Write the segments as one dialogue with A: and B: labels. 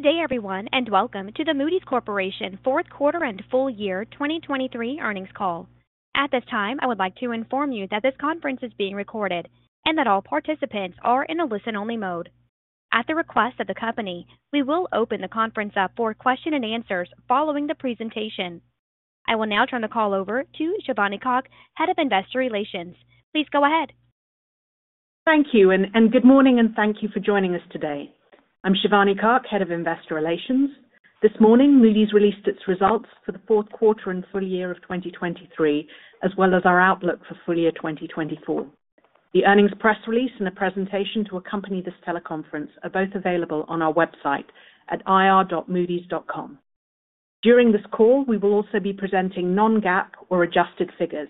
A: Good day everyone and welcome to the Moody's Corporation fourth quarter and full year 2023 earnings call. At this time I would like to inform you that this conference is being recorded and that all participants are in a listen-only mode. At the request of the company, we will open the conference up for question and answers following the presentation. I will now turn the call over to Shivani Kak, Head of Investor Relations. Please go ahead.
B: Thank you, and good morning and thank you for joining us today. I'm Shivani Kak, Head of Investor Relations. This morning Moody's released its results for the fourth quarter and full year of 2023, as well as our outlook for full year 2024. The earnings press release and a presentation to accompany this teleconference are both available on our website at ir.moodys.com. During this call we will also be presenting non-GAAP or adjusted figures.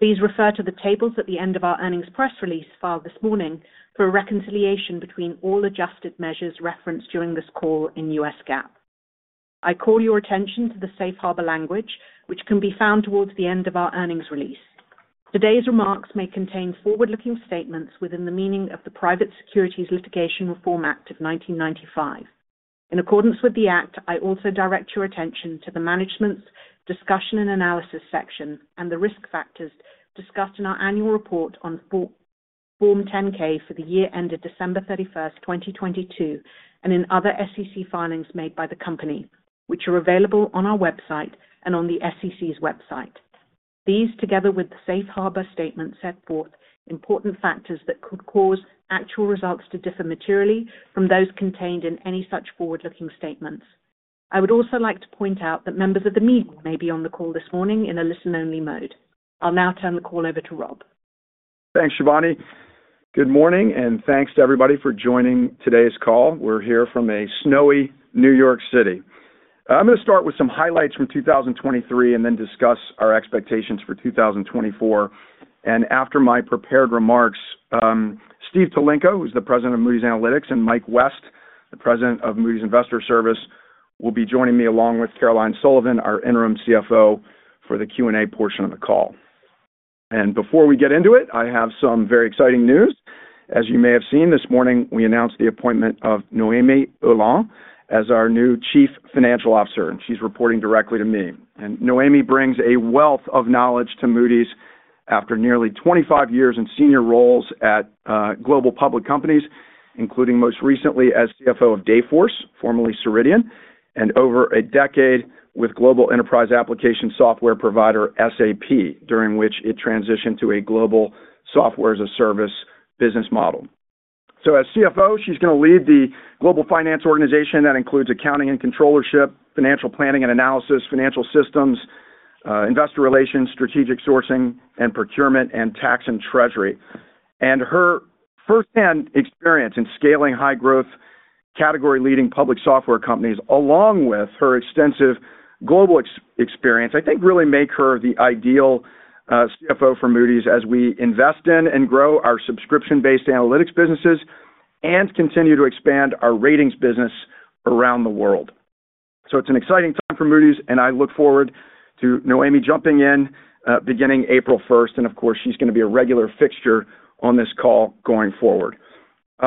B: Please refer to the tables at the end of our earnings press release filed this morning for a reconciliation between all adjusted measures referenced during this call in U.S. GAAP. I call your attention to the safe harbor language which can be found towards the end of our earnings release. Today's remarks may contain forward-looking statements within the meaning of the Private Securities Litigation Reform Act of 1995. In accordance with the act I also direct your attention to the management's discussion and analysis section and the risk factors discussed in our annual report on Form 10-K for the year ended December 31, 2022, and in other SEC filings made by the company, which are available on our website and on the SEC's website. These, together with the safe harbor statement set forth, important factors that could cause actual results to differ materially from those contained in any such forward-looking statements. I would also like to point out that members of the media may be on the call this morning in a listen-only mode. I'll now turn the call over to Rob.
C: Thanks Shivani. Good morning and thanks to everybody for joining today's call. We're here from a snowy New York City. I'm going to start with some highlights from 2023 and then discuss our expectations for 2024. After my prepared remarks, Steve Tulenko, who's the president of Moody's Analytics, and Mike West, the president of Moody's Investors Service, will be joining me along with Caroline Sullivan, our interim CFO, for the Q&A portion of the call. Before we get into it I have some very exciting news. As you may have seen this morning, we announced the appointment of Noémie Heuland as our new Chief Financial Officer and she's reporting directly to me. Noémie brings a wealth of knowledge to Moody's after nearly 25 years in senior roles at global public companies, including most recently as CFO of Dayforce, formerly Ceridian, and over a decade with global enterprise application software provider SAP, during which it transitioned to a global software as a service business model. As CFO she's going to lead the global finance organization that includes accounting and controllership, financial planning and analysis, financial systems, investor relations, strategic sourcing and procurement, and tax and treasury. Her firsthand experience in scaling high-growth category-leading public software companies, along with her extensive global experience, I think really make her the ideal CFO for Moody's as we invest in and grow our subscription-based analytics businesses and continue to expand our ratings business around the world. So it's an exciting time for Moody's and I look forward to Noémie jumping in beginning April 1 and of course she's going to be a regular fixture on this call going forward.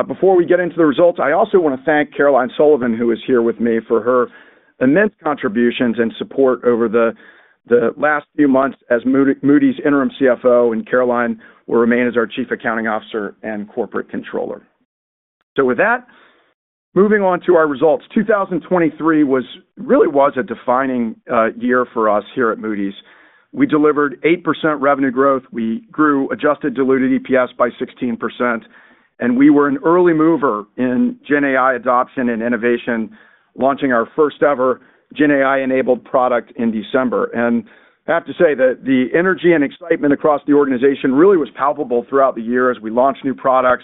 C: Before we get into the results I also want to thank Caroline Sullivan, who is here with me, for her immense contributions and support over the last few months as Moody's Interim CFO and Caroline will remain as our Chief Accounting Officer and Corporate Controller. So with that, moving on to our results. 2023 really was a defining year for us here at Moody's. We delivered 8% revenue growth, we grew adjusted diluted EPS by 16%, and we were an early mover in GenAI adoption and innovation, launching our first-ever GenAI-enabled product in December. I have to say that the energy and excitement across the organization really was palpable throughout the year as we launched new products,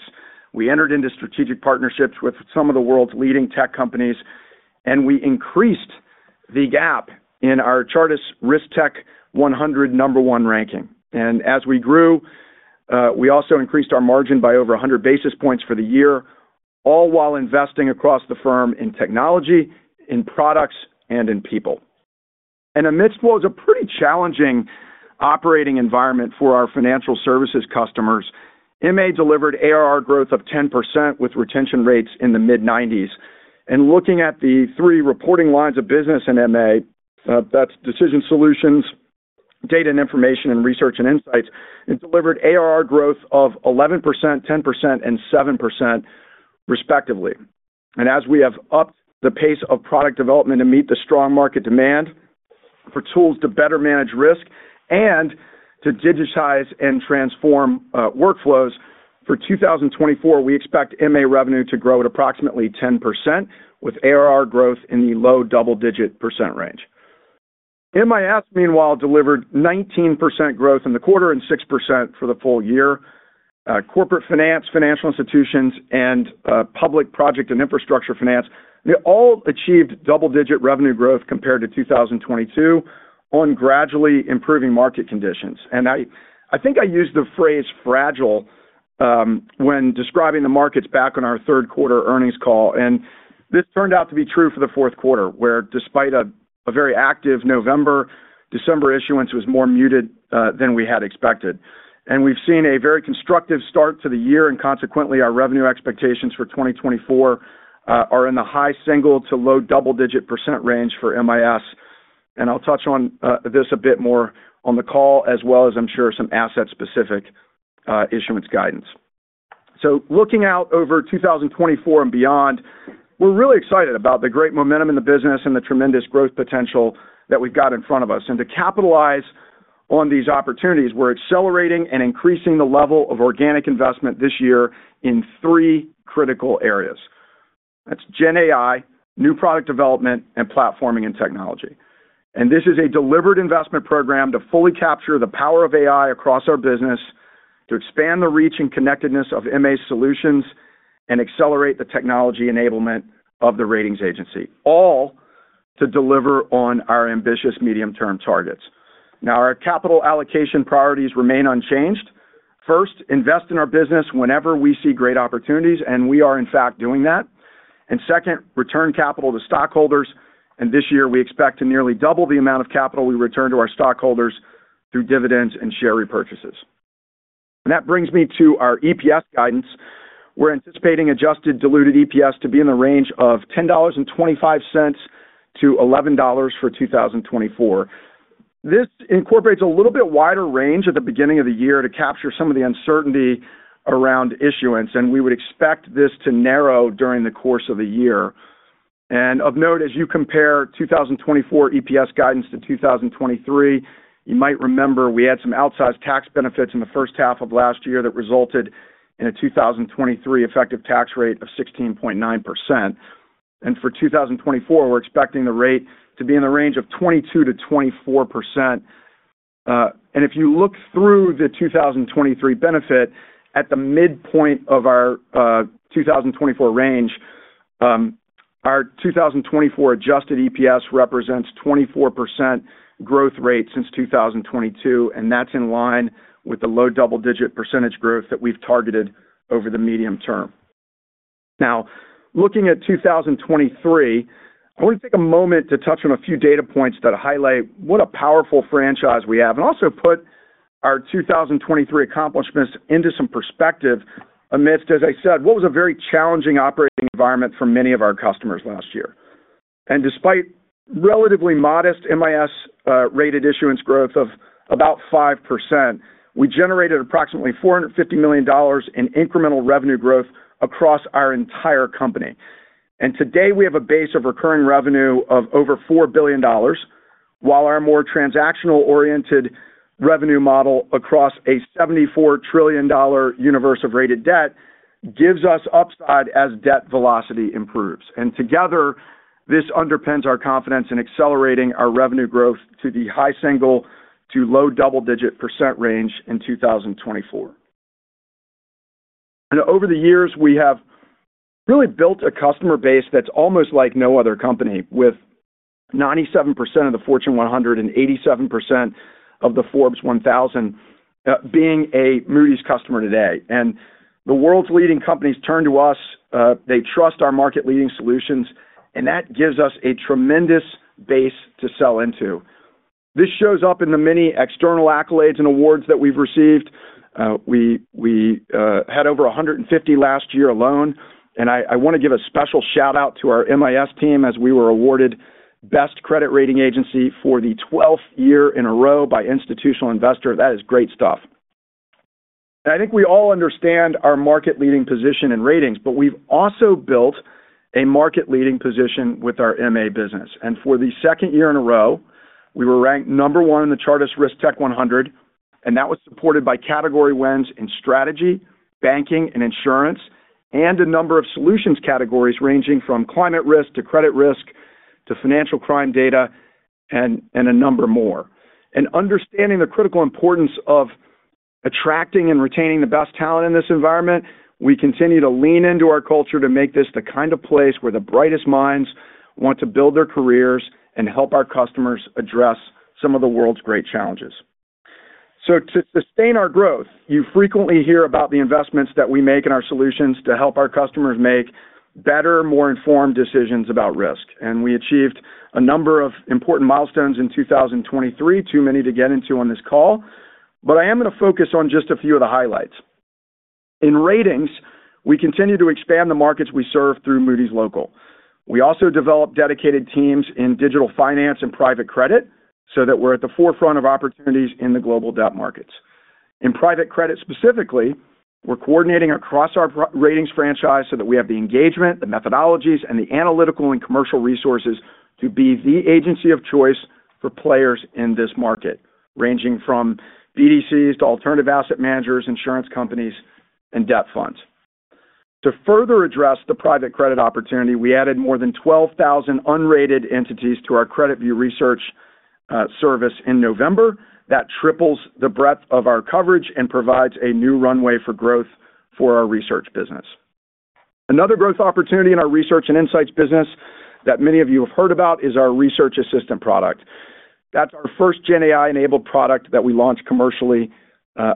C: we entered into strategic partnerships with some of the world's leading tech companies, and we increased the gap in our Chartis RiskTech 100 number one ranking. As we grew we also increased our margin by over 100 basis points for the year, all while investing across the firm in technology, in products, and in people. Amidst what was a pretty challenging operating environment for our financial services customers, MA delivered ARR growth of 10% with retention rates in the mid-90s. Looking at the three reporting lines of business in MA, that's Decision Solutions, Data and Information, and Research and Insights, it delivered ARR growth of 11%, 10%, and 7% respectively. As we have upped the pace of product development to meet the strong market demand, for tools to better manage risk, and to digitize and transform workflows, for 2024 we expect MA revenue to grow at approximately 10% with ARR growth in the low double-digit % range. MIS, meanwhile, delivered 19% growth in the quarter and 6% for the full year. Corporate finance, financial institutions, and public project and infrastructure finance, they all achieved double-digit revenue growth compared to 2022 on gradually improving market conditions. I think I used the phrase fragile" when describing the markets back on our third quarter earnings call, and this turned out to be true for the fourth quarter, where despite a very active November, December issuance was more muted than we had expected. We've seen a very constructive start to the year and consequently our revenue expectations for 2024 are in the high single- to low double-digit % range for MIS, and I'll touch on this a bit more on the call as well as I'm sure some asset-specific issuance guidance. So looking out over 2024 and beyond, we're really excited about the great momentum in the business and the tremendous growth potential that we've got in front of us. To capitalize on these opportunities we're accelerating and increasing the level of organic investment this year in three critical areas. That's GenAI, new product development, and platforming and technology. This is a deliberate investment program to fully capture the power of AI across our business, to expand the reach and connectedness of MA's solutions, and accelerate the technology enablement of the ratings agency, all to deliver on our ambitious medium-term targets. Now our capital allocation priorities remain unchanged. First, invest in our business whenever we see great opportunities, and we are in fact doing that. And second, return capital to stockholders, and this year we expect to nearly double the amount of capital we return to our stockholders through dividends and share repurchases. That brings me to our EPS guidance. We're anticipating adjusted diluted EPS to be in the range of $10.25-$11 for 2024. This incorporates a little bit wider range at the beginning of the year to capture some of the uncertainty around issuance, and we would expect this to narrow during the course of the year. Of note, as you compare 2024 EPS guidance to 2023, you might remember we had some outsized tax benefits in the first half of last year that resulted in a 2023 effective tax rate of 16.9%. For 2024 we're expecting the rate to be in the range of 22%-24%. If you look through the 2023 benefit at the midpoint of our 2024 range, our 2024 adjusted EPS represents 24% growth rate since 2022, and that's in line with the low double-digit percentage growth that we've targeted over the medium term. Now looking at 2023, I want to take a moment to touch on a few data points that highlight what a powerful franchise we have and also put our 2023 accomplishments into some perspective amidst, as I said, what was a very challenging operating environment for many of our customers last year. Despite relatively modest MIS-rated issuance growth of about 5%, we generated approximately $450 million in incremental revenue growth across our entire company. Today we have a base of recurring revenue of over $4 billion, while our more transactional-oriented revenue model across a $74 trillion universe of rated debt gives us upside as debt velocity improves. Together this underpins our confidence in accelerating our revenue growth to the high single- to low double-digit % range in 2024. Over the years we have really built a customer base that's almost like no other company, with 97% of the Fortune 100 and 87% of the Fortune 1000 being a Moody's customer today. The world's leading companies turn to us, they trust our market-leading solutions, and that gives us a tremendous base to sell into. This shows up in the many external accolades and awards that we've received. We had over 150 last year alone, and I want to give a special shout-out to our MIS team as we were awarded Best Credit Rating Agency for the 12th year in a row by Institutional Investor. That is great stuff. I think we all understand our market-leading position in ratings, but we've also built a market-leading position with our MA business. For the second year in a row we were ranked number 1 in the Chartis RiskTech 100, and that was supported by category wins in strategy, banking, and insurance, and a number of solutions categories ranging from climate risk to credit risk to financial crime data and a number more. Understanding the critical importance of attracting and retaining the best talent in this environment, we continue to lean into our culture to make this the kind of place where the brightest minds want to build their careers and help our customers address some of the world's great challenges. To sustain our growth you frequently hear about the investments that we make in our solutions to help our customers make better, more informed decisions about risk. We achieved a number of important milestones in 2023, too many to get into on this call, but I am going to focus on just a few of the highlights. In Ratings we continue to expand the markets we serve through Moody's Local. We also develop dedicated teams in digital finance and private credit so that we're at the forefront of opportunities in the global debt markets. In private credit specifically we're coordinating across our ratings franchise so that we have the engagement, the methodologies, and the analytical and commercial resources to be the agency of choice for players in this market, ranging from BDCs to alternative asset managers, insurance companies, and debt funds. To further address the private credit opportunity we added more than 12,000 unrated entities to our CreditView research service in November. That triples the breadth of our coverage and provides a new runway for growth for our research business. Another growth opportunity in our research and insights business that many of you have heard about is our Research Assistant product. That's our first GenAI-enabled product that we launched commercially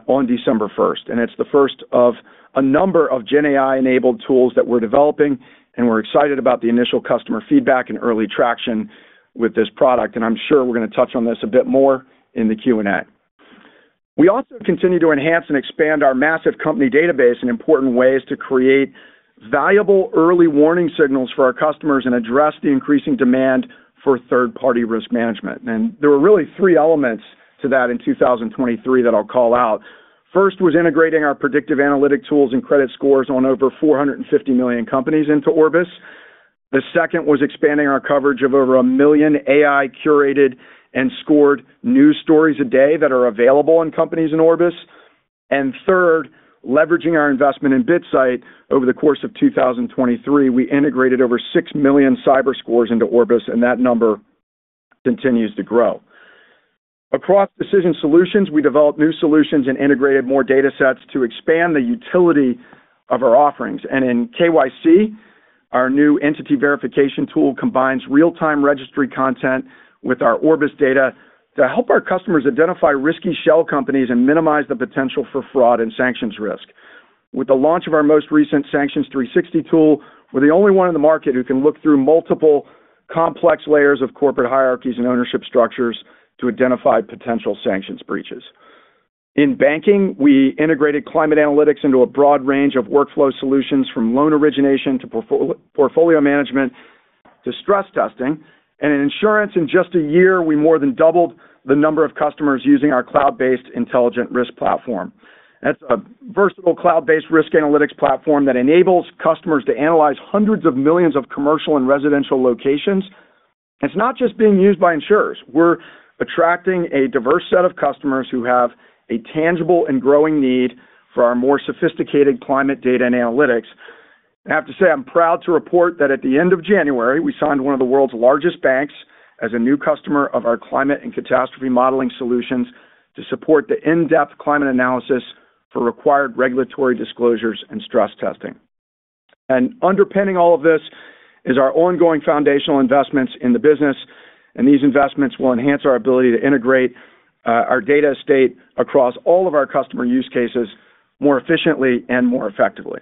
C: on December 1, and it's the first of a number of GenAI-enabled tools that we're developing, and we're excited about the initial customer feedback and early traction with this product, and I'm sure we're going to touch on this a bit more in the Q&A. We also continue to enhance and expand our massive company database in important ways to create valuable early warning signals for our customers and address the increasing demand for third-party risk management. There were really three elements to that in 2023 that I'll call out. First was integrating our predictive analytic tools and credit scores on over 450 million companies into Orbis. The second was expanding our coverage of over 1 million AI-curated and scored news stories a day that are available in companies in Orbis. And third, leveraging our investment in BitSight over the course of 2023, we integrated over 6 million cyber scores into Orbis, and that number continues to grow. Across decision solutions we developed new solutions and integrated more data sets to expand the utility of our offerings. And in KYC our new entity verification tool combines real-time registry content with our Orbis data to help our customers identify risky shell companies and minimize the potential for fraud and sanctions risk. With the launch of our most recent Sanctions 360 tool, we're the only one in the market who can look through multiple complex layers of corporate hierarchies and ownership structures to identify potential sanctions breaches. In banking, we integrated climate analytics into a broad range of workflow solutions from loan origination to portfolio management to stress testing, and in insurance, in just a year we more than doubled the number of customers using our cloud-based Intelligent Risk Platform. That's a versatile cloud-based risk analytics platform that enables customers to analyze hundreds of millions of commercial and residential locations. And it's not just being used by insurers. We're attracting a diverse set of customers who have a tangible and growing need for our more sophisticated climate data and analytics. I have to say I'm proud to report that at the end of January we signed one of the world's largest banks as a new customer of our climate and catastrophe modeling solutions to support the in-depth climate analysis for required regulatory disclosures and stress testing. Underpinning all of this is our ongoing foundational investments in the business, and these investments will enhance our ability to integrate our data estate across all of our customer use cases more efficiently and more effectively.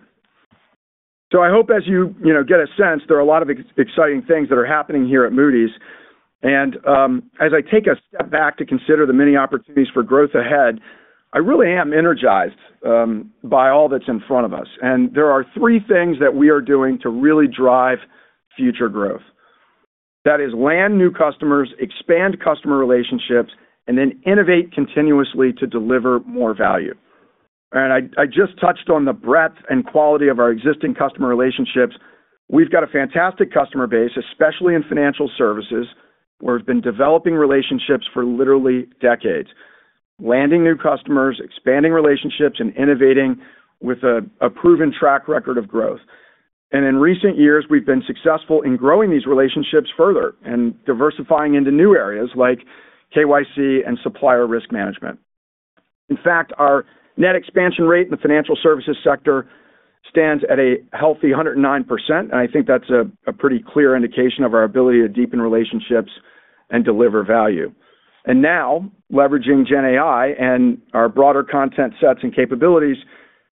C: I hope as you get a sense there are a lot of exciting things that are happening here at Moody's. As I take a step back to consider the many opportunities for growth ahead I really am energized by all that's in front of us. There are three things that we are doing to really drive future growth. That is land new customers, expand customer relationships, and then innovate continuously to deliver more value. I just touched on the breadth and quality of our existing customer relationships. We've got a fantastic customer base, especially in financial services, where we've been developing relationships for literally decades. Landing new customers, expanding relationships, and innovating with a proven track record of growth. In recent years we've been successful in growing these relationships further and diversifying into new areas like KYC and supplier risk management. In fact our net expansion rate in the financial services sector stands at a healthy 109%, and I think that's a pretty clear indication of our ability to deepen relationships and deliver value. Now leveraging GenAI and our broader content sets and capabilities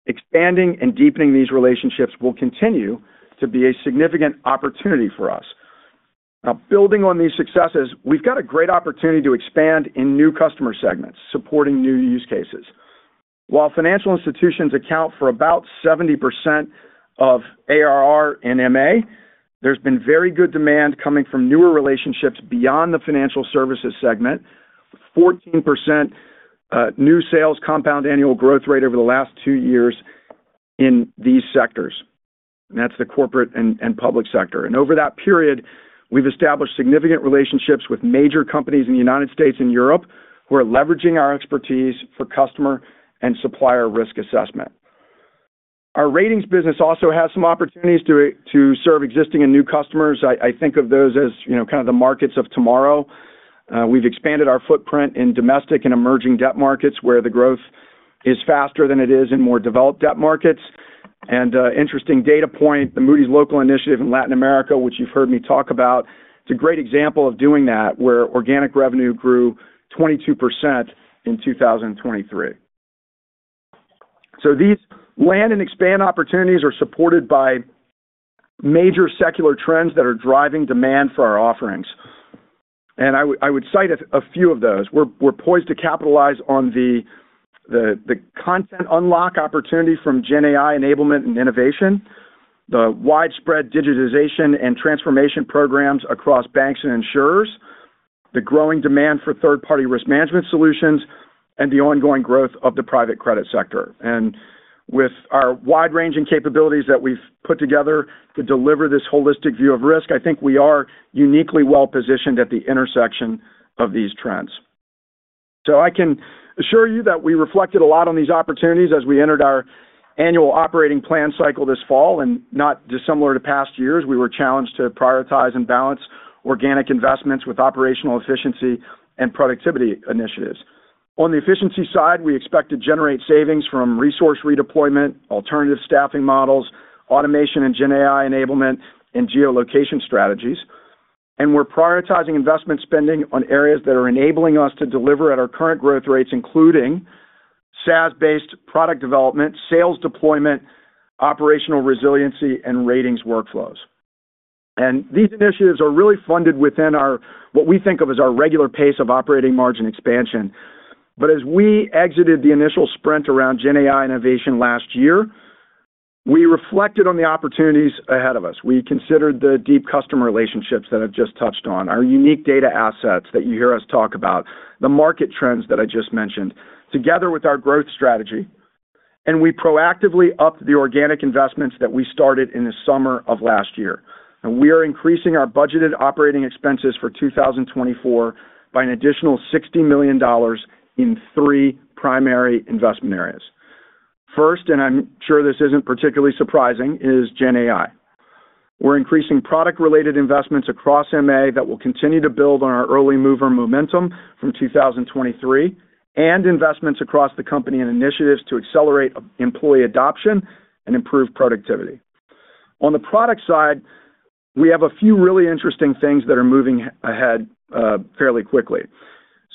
C: expanding and deepening these relationships will continue to be a significant opportunity for us. Now building on these successes we've got a great opportunity to expand in new customer segments supporting new use cases. While financial institutions account for about 70% of ARR in MA there's been very good demand coming from newer relationships beyond the financial services segment with 14% new sales compound annual growth rate over the last two years in these sectors. And that's the corporate and public sector. And over that period we've established significant relationships with major companies in the United States and Europe who are leveraging our expertise for customer and supplier risk assessment. Our ratings business also has some opportunities to serve existing and new customers. I think of those as kind of the markets of tomorrow. We've expanded our footprint in domestic and emerging debt markets where the growth is faster than it is in more developed debt markets. Interesting data point: the Moody's Local Initiative in Latin America, which you've heard me talk about, it's a great example of doing that, where organic revenue grew 22% in 2023. So these land and expand opportunities are supported by major secular trends that are driving demand for our offerings. I would cite a few of those. We're poised to capitalize on the content unlock opportunity from GenAI enablement and innovation, the widespread digitization and transformation programs across banks and insurers, the growing demand for third-party risk management solutions, and the ongoing growth of the private credit sector. With our wide-ranging capabilities that we've put together to deliver this holistic view of risk, I think we are uniquely well-positioned at the intersection of these trends. So I can assure you that we reflected a lot on these opportunities as we entered our annual operating plan cycle this fall, and not dissimilar to past years we were challenged to prioritize and balance organic investments with operational efficiency and productivity initiatives. On the efficiency side we expect to generate savings from resource redeployment, alternative staffing models, automation and GenAI enablement, and geolocation strategies. And we're prioritizing investment spending on areas that are enabling us to deliver at our current growth rates including SaaS-based product development, sales deployment, operational resiliency, and ratings workflows. And these initiatives are really funded within what we think of as our regular pace of operating margin expansion. But as we exited the initial sprint around GenAI innovation last year we reflected on the opportunities ahead of us. We considered the deep customer relationships that I've just touched on, our unique data assets that you hear us talk about, the market trends that I just mentioned together with our growth strategy. We proactively upped the organic investments that we started in the summer of last year. We are increasing our budgeted operating expenses for 2024 by an additional $60 million in three primary investment areas. First, and I'm sure this isn't particularly surprising, is GenAI. We're increasing product-related investments across MA that will continue to build on our early mover momentum from 2023 and investments across the company and initiatives to accelerate employee adoption and improve productivity. On the product side we have a few really interesting things that are moving ahead fairly quickly.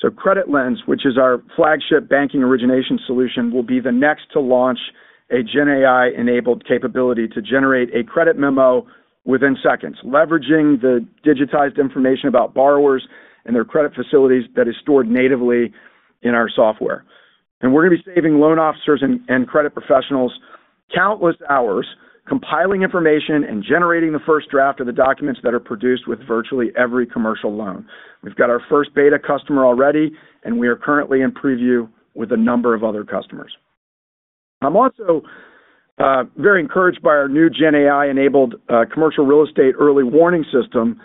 C: CreditLens, which is our flagship banking origination solution, will be the next to launch a GenAI-enabled capability to generate a credit memo within seconds leveraging the digitized information about borrowers and their credit facilities that is stored natively in our software. We're going to be saving loan officers and credit professionals countless hours compiling information and generating the first draft of the documents that are produced with virtually every commercial loan. We've got our first beta customer already and we are currently in preview with a number of other customers. I'm also very encouraged by our new GenAI-enabled commercial real estate early warning system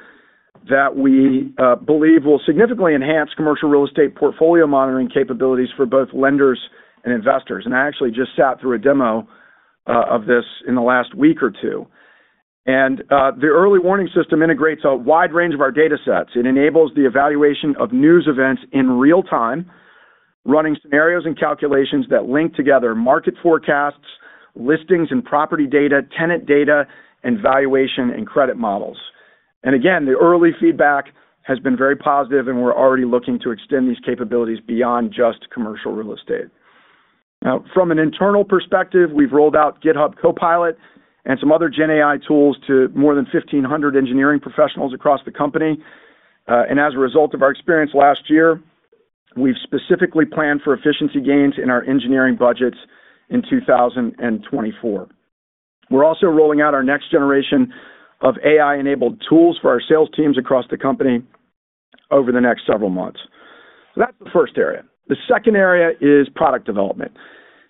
C: that we believe will significantly enhance commercial real estate portfolio monitoring capabilities for both lenders and investors. I actually just sat through a demo of this in the last week or two. The early warning system integrates a wide range of our data sets. It enables the evaluation of news events in real time, running scenarios and calculations that link together market forecasts, listings and property data, tenant data, and valuation and credit models. And again the early feedback has been very positive and we're already looking to extend these capabilities beyond just commercial real estate. Now from an internal perspective we've rolled out GitHub Copilot and some other GenAI tools to more than 1,500 engineering professionals across the company. And as a result of our experience last year we've specifically planned for efficiency gains in our engineering budgets in 2024. We're also rolling out our next generation of AI-enabled tools for our sales teams across the company over the next several months. So that's the first area. The second area is product development.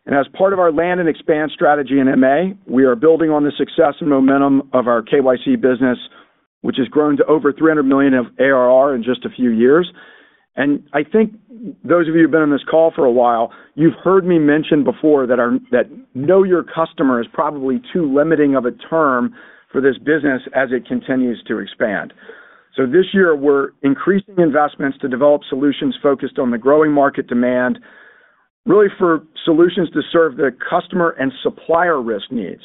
C: As part of our land and expand strategy in MA, we are building on the success and momentum of our KYC business, which has grown to over $300 million of ARR in just a few years. I think those of you who've been on this call for a while you've heard me mention before that know your customer is probably too limiting of a term for this business as it continues to expand. This year we're increasing investments to develop solutions focused on the growing market demand really for solutions to serve the customer and supplier risk needs.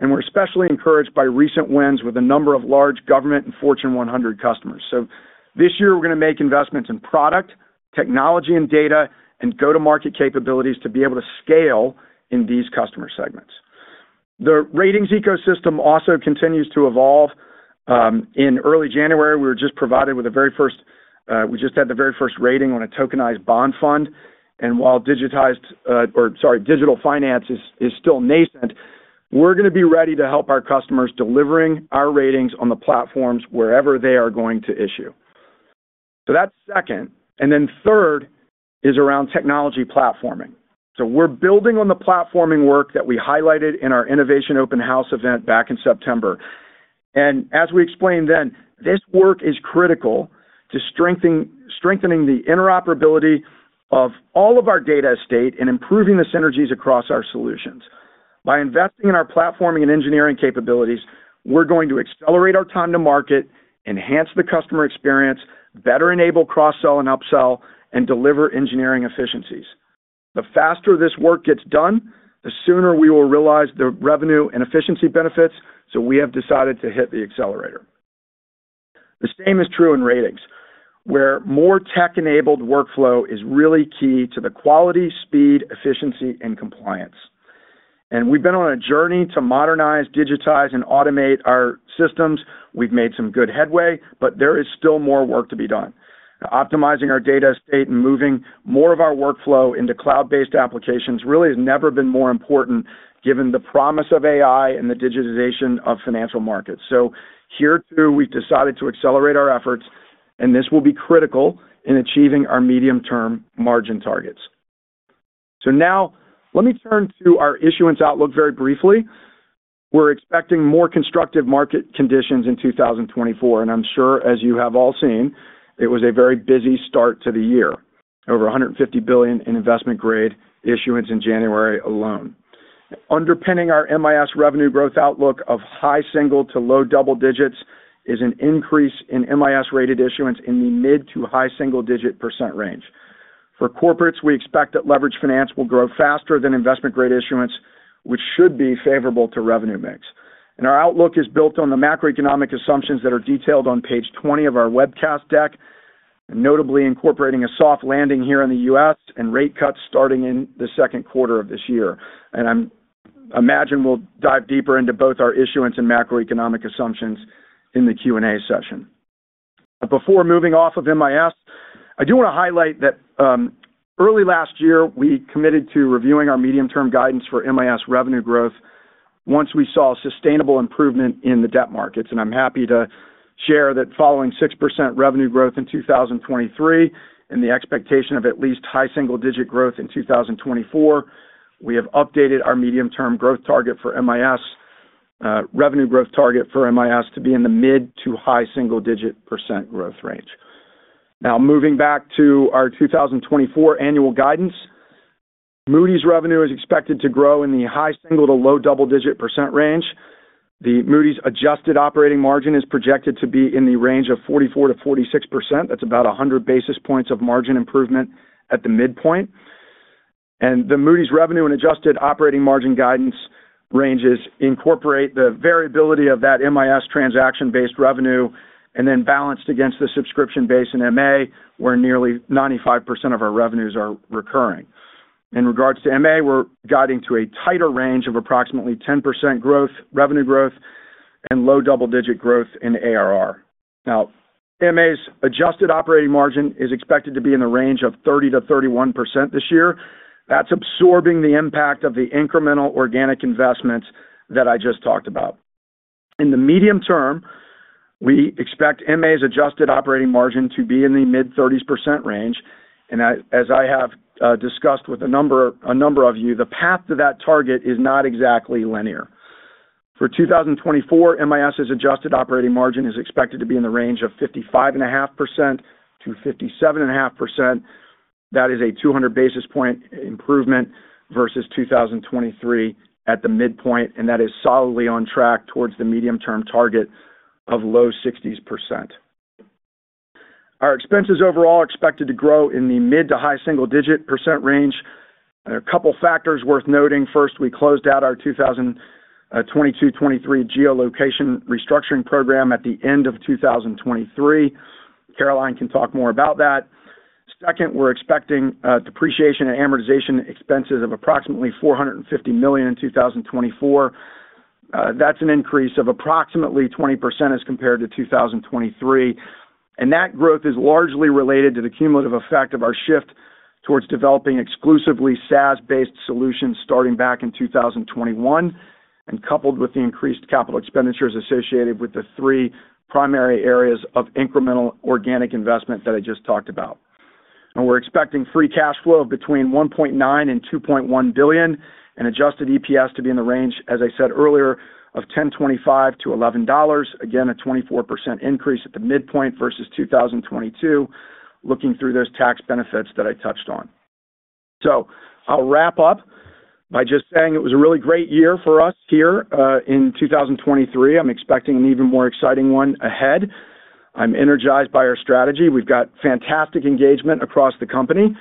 C: We're especially encouraged by recent wins with a number of large government and Fortune 100 customers. This year we're going to make investments in product, technology and data, and go-to-market capabilities to be able to scale in these customer segments. The ratings ecosystem also continues to evolve. In early January, we just had the very first rating on a tokenized bond fund. While digital finance is still nascent, we're going to be ready to help our customers, delivering our ratings on the platforms wherever they are going to issue. So that's second. Then third is around technology platforming. We're building on the platforming work that we highlighted in our Innovation Open House event back in September. As we explained then, this work is critical to strengthening the interoperability of all of our data estate and improving the synergies across our solutions. By investing in our platforming and engineering capabilities, we're going to accelerate our time to market, enhance the customer experience, better enable cross-sell and upsell, and deliver engineering efficiencies. The faster this work gets done the sooner we will realize the revenue and efficiency benefits so we have decided to hit the accelerator. The same is true in ratings where more tech-enabled workflow is really key to the quality, speed, efficiency, and compliance. We've been on a journey to modernize, digitize, and automate our systems. We've made some good headway but there is still more work to be done. Optimizing our data estate and moving more of our workflow into cloud-based applications really has never been more important given the promise of AI and the digitization of financial markets. Here too we've decided to accelerate our efforts and this will be critical in achieving our medium-term margin targets. Now let me turn to our issuance outlook very briefly. We're expecting more constructive market conditions in 2024 and I'm sure as you have all seen it was a very busy start to the year. Over $150 billion in investment grade issuance in January alone. Underpinning our MIS revenue growth outlook of high single- to low double-digits is an increase in MIS rated issuance in the mid- to high single-digit % range. For corporates we expect that leveraged finance will grow faster than investment grade issuance which should be favorable to revenue mix. Our outlook is built on the macroeconomic assumptions that are detailed on page 20 of our webcast deck and notably incorporating a soft landing here in the U.S. and rate cuts starting in the second quarter of this year. I imagine we'll dive deeper into both our issuance and macroeconomic assumptions in the Q&A session. Before moving off of MIS, I do want to highlight that early last year we committed to reviewing our medium-term guidance for MIS revenue growth once we saw sustainable improvement in the debt markets. I'm happy to share that following 6% revenue growth in 2023 and the expectation of at least high single-digit growth in 2024, we have updated our medium-term growth target for MIS revenue growth target for MIS to be in the mid- to high single-digit % growth range. Now moving back to our 2024 annual guidance, Moody's revenue is expected to grow in the high single- to low double-digit % range. The Moody's adjusted operating margin is projected to be in the range of 44%-46%. That's about 100 basis points of margin improvement at the midpoint. The Moody's revenue and adjusted operating margin guidance ranges incorporate the variability of that MIS transaction-based revenue and then balanced against the subscription base in MA where nearly 95% of our revenues are recurring. In regards to MA we're guiding to a tighter range of approximately 10% growth revenue growth and low double digit growth in ARR. Now MA's adjusted operating margin is expected to be in the range of 30%-31% this year. That's absorbing the impact of the incremental organic investments that I just talked about. In the medium term we expect MA's adjusted operating margin to be in the mid 30% range. As I have discussed with a number of you the path to that target is not exactly linear. For 2024 MIS's adjusted operating margin is expected to be in the range of 55.5%-57.5%. That is a 200 basis points improvement versus 2023 at the midpoint and that is solidly on track towards the medium-term target of low-60s %. Our expenses overall are expected to grow in the mid- to high-single-digit % range. There are a couple factors worth noting. First, we closed out our 2022-23 geolocation restructuring program at the end of 2023. Caroline can talk more about that. Second, we're expecting depreciation and amortization expenses of approximately $450 million in 2024. That's an increase of approximately 20% as compared to 2023. And that growth is largely related to the cumulative effect of our shift towards developing exclusively SaaS-based solutions starting back in 2021 and coupled with the increased capital expenditures associated with the three primary areas of incremental organic investment that I just talked about. We're expecting free cash flow of between $1.9 billion and $2.1 billion and adjusted EPS to be in the range as I said earlier of $10.25-$11.00. Again, a 24% increase at the midpoint versus 2022 looking through those tax benefits that I touched on. So I'll wrap up by just saying it was a really great year for us here in 2023. I'm expecting an even more exciting one ahead. I'm energized by our strategy. We've got fantastic engagement across the company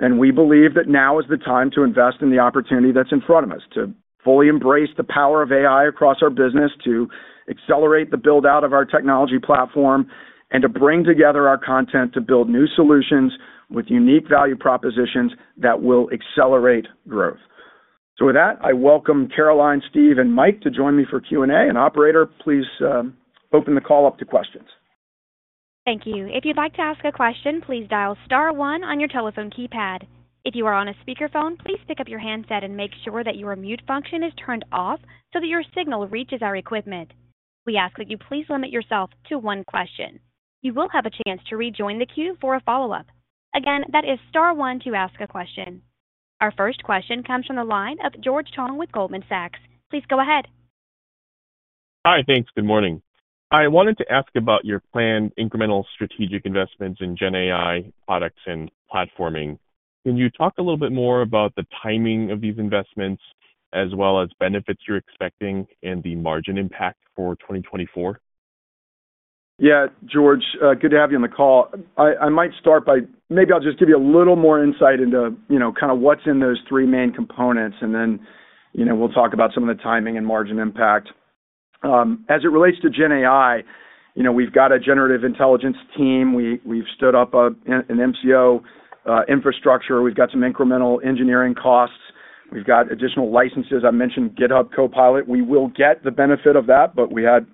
C: and we believe that now is the time to invest in the opportunity that's in front of us. To fully embrace the power of AI across our business, to accelerate the buildout of our technology platform, and to bring together our content to build new solutions with unique value propositions that will accelerate growth. With that I welcome Caroline, Steve, and Mike to join me for Q&A. Operator please open the call up to questions.
A: Thank you. If you'd like to ask a question please dial star one on your telephone keypad. If you are on a speakerphone please pick up your handset and make sure that your mute function is turned off so that your signal reaches our equipment. We ask that you please limit yourself to one question. You will have a chance to rejoin the queue for a follow-up. Again that is star one to ask a question. Our first question comes from the line of George Tong with Goldman Sachs. Please go ahead.
D: Hi, thanks. Good morning. I wanted to ask about your planned incremental strategic investments in GenAI products and platforming. Can you talk a little bit more about the timing of these investments as well as benefits you're expecting and the margin impact for 2024?
C: Yeah, George. Good to have you on the call. I might start by maybe I'll just give you a little more insight into kind of what's in those three main components and then we'll talk about some of the timing and margin impact. As it relates to GenAI, we've got a generative intelligence team. We've stood up an MCO infrastructure. We've got some incremental engineering costs. We've got additional licenses. I mentioned GitHub Copilot. We will get the benefit of that but we had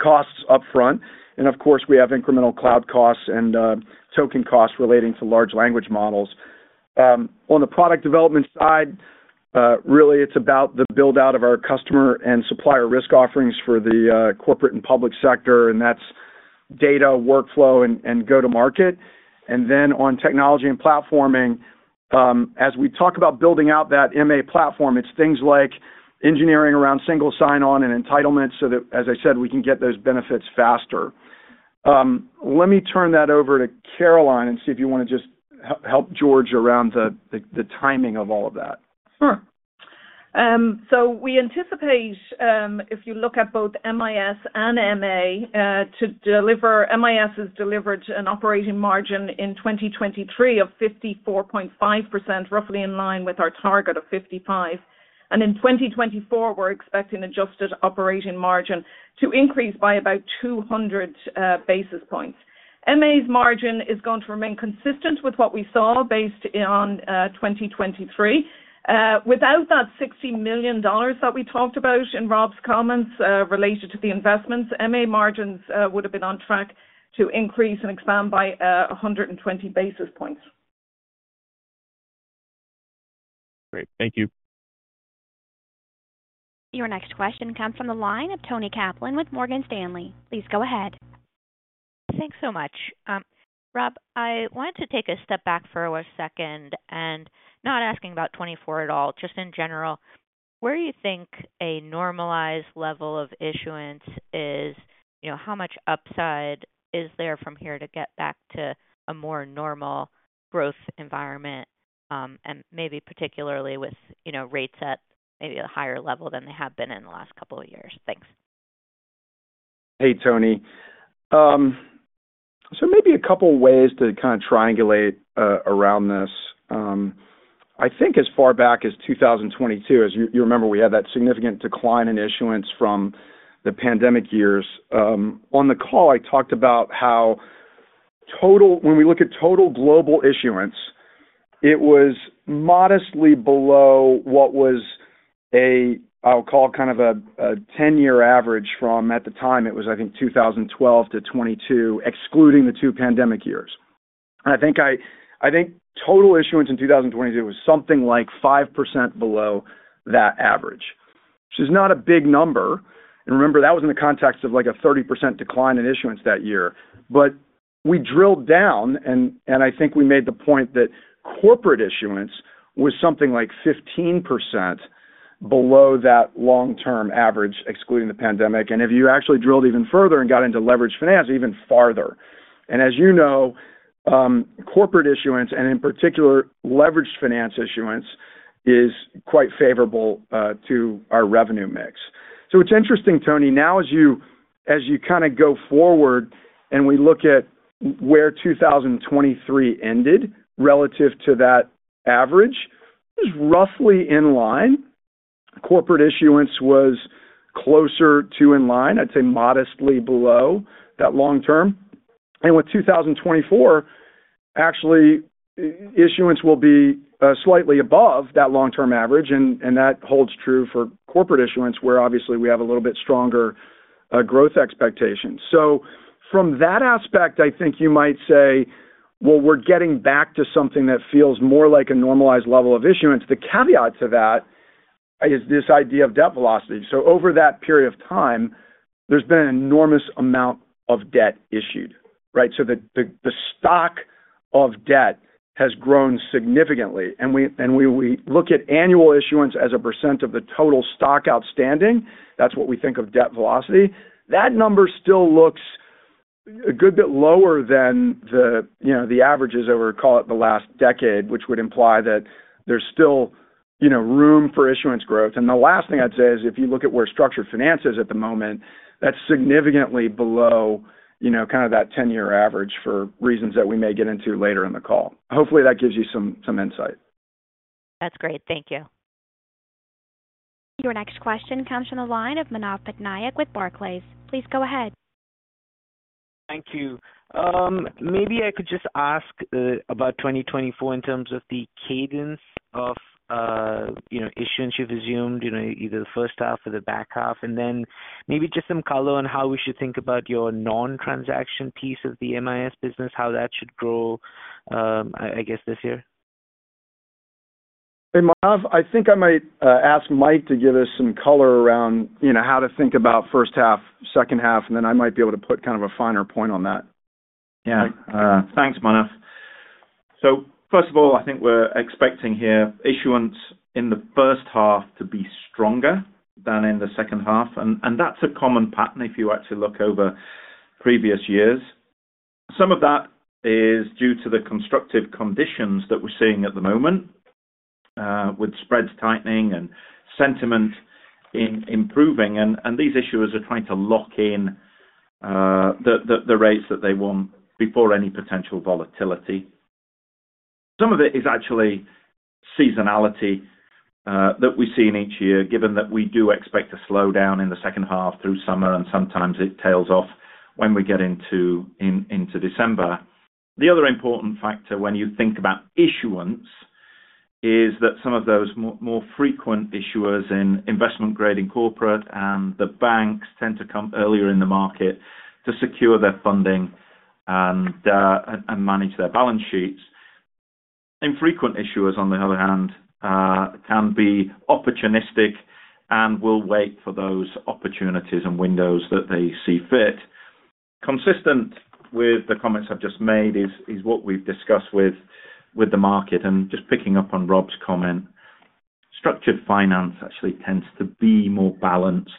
C: costs upfront. And of course we have incremental cloud costs and token costs relating to large language models. On the product development side really it's about the buildout of our customer and supplier risk offerings for the corporate and public sector and that's data, workflow, and go-to-market. And then on technology and platforming, as we talk about building out that M&A platform, it's things like engineering around single sign-on and entitlement so that, as I said, we can get those benefits faster. Let me turn that over to Caroline and see if you want to just help George around the timing of all of that.
E: Sure. So we anticipate, if you look at both MIS and MA, to deliver. MIS has delivered an operating margin in 2023 of 54.5%, roughly in line with our target of 55%. In 2024 we're expecting adjusted operating margin to increase by about 200 basis points. MA's margin is going to remain consistent with what we saw based on 2023. Without that $60 million that we talked about in Rob's comments related to the investments, MA margins would have been on track to increase and expand by 120 basis points.
D: Great. Thank you.
A: Your next question comes from the line of Toni Kaplan with Morgan Stanley. Please go ahead.
F: Thanks so much. Rob, I wanted to take a step back for a second and not asking about 2024 at all, just in general. Where do you think a normalized level of issuance is, how much upside is there from here to get back to a more normal growth environment, and maybe particularly with rates at maybe a higher level than they have been in the last couple of years? Thanks.
C: Hey Toni. So maybe a couple ways to kind of triangulate around this. I think as far back as 2022, as you remember, we had that significant decline in issuance from the pandemic years. On the call I talked about how total, when we look at total global issuance, it was modestly below what was a, I'll call, kind of a 10-year average from, at the time it was, I think, 2012 to 2022 excluding the two pandemic years. And I think total issuance in 2022 was something like 5% below that average which is not a big number. And remember that was in the context of like a 30% decline in issuance that year. But we drilled down and I think we made the point that corporate issuance was something like 15% below that long-term average excluding the pandemic. And if you actually drilled even further and got into leveraged finance even farther. And as you know, corporate issuance and, in particular, leveraged finance issuance is quite favorable to our revenue mix. So it's interesting, Tony. Now as you kind of go forward and we look at where 2023 ended relative to that average, it was roughly in line. Corporate issuance was closer to in line, I'd say, modestly below that long-term. And with 2024, actually, issuance will be slightly above that long-term average, and that holds true for corporate issuance where obviously we have a little bit stronger growth expectations. So from that aspect, I think you might say, well, we're getting back to something that feels more like a normalized level of issuance. The caveat to that is this idea of debt velocity. So over that period of time there's been an enormous amount of debt issued. So the stock of debt has grown significantly. And we look at annual issuance as a percent of the total stock outstanding that's what we think of debt velocity. That number still looks a good bit lower than the averages over call it the last decade which would imply that there's still room for issuance growth. And the last thing I'd say is if you look at where structured finance is at the moment that's significantly below kind of that 10-year average for reasons that we may get into later in the call. Hopefully that gives you some insight.
F: That's great. Thank you.
A: Your next question comes from the line of Manav Patnaik with Barclays. Please go ahead.
G: Thank you. Maybe I could just ask about 2024 in terms of the cadence of issuance you've assumed either the first half or the back half. And then maybe just some color on how we should think about your non-transaction piece of the MIS business, how that should grow I guess this year?
C: Hey Manav, I think I might ask Mike to give us some color around how to think about first half, second half, and then I might be able to put kind of a finer point on that.
H: Yeah. Thanks, Manav. So first of all, I think we're expecting here issuance in the first half to be stronger than in the second half. And that's a common pattern if you actually look over previous years. Some of that is due to the constructive conditions that we're seeing at the moment with spreads tightening and sentiment improving. And these issuers are trying to lock in the rates that they want before any potential volatility. Some of it is actually seasonality that we see in each year given that we do expect a slowdown in the second half through summer and sometimes it tails off when we get into December. The other important factor when you think about issuance is that some of those more frequent issuers in investment grade and corporate and the banks tend to come earlier in the market to secure their funding and manage their balance sheets. Infrequent issuers on the other hand can be opportunistic and will wait for those opportunities and windows that they see fit. Consistent with the comments I've just made is what we've discussed with the market. And just picking up on Rob's comment structured finance actually tends to be more balanced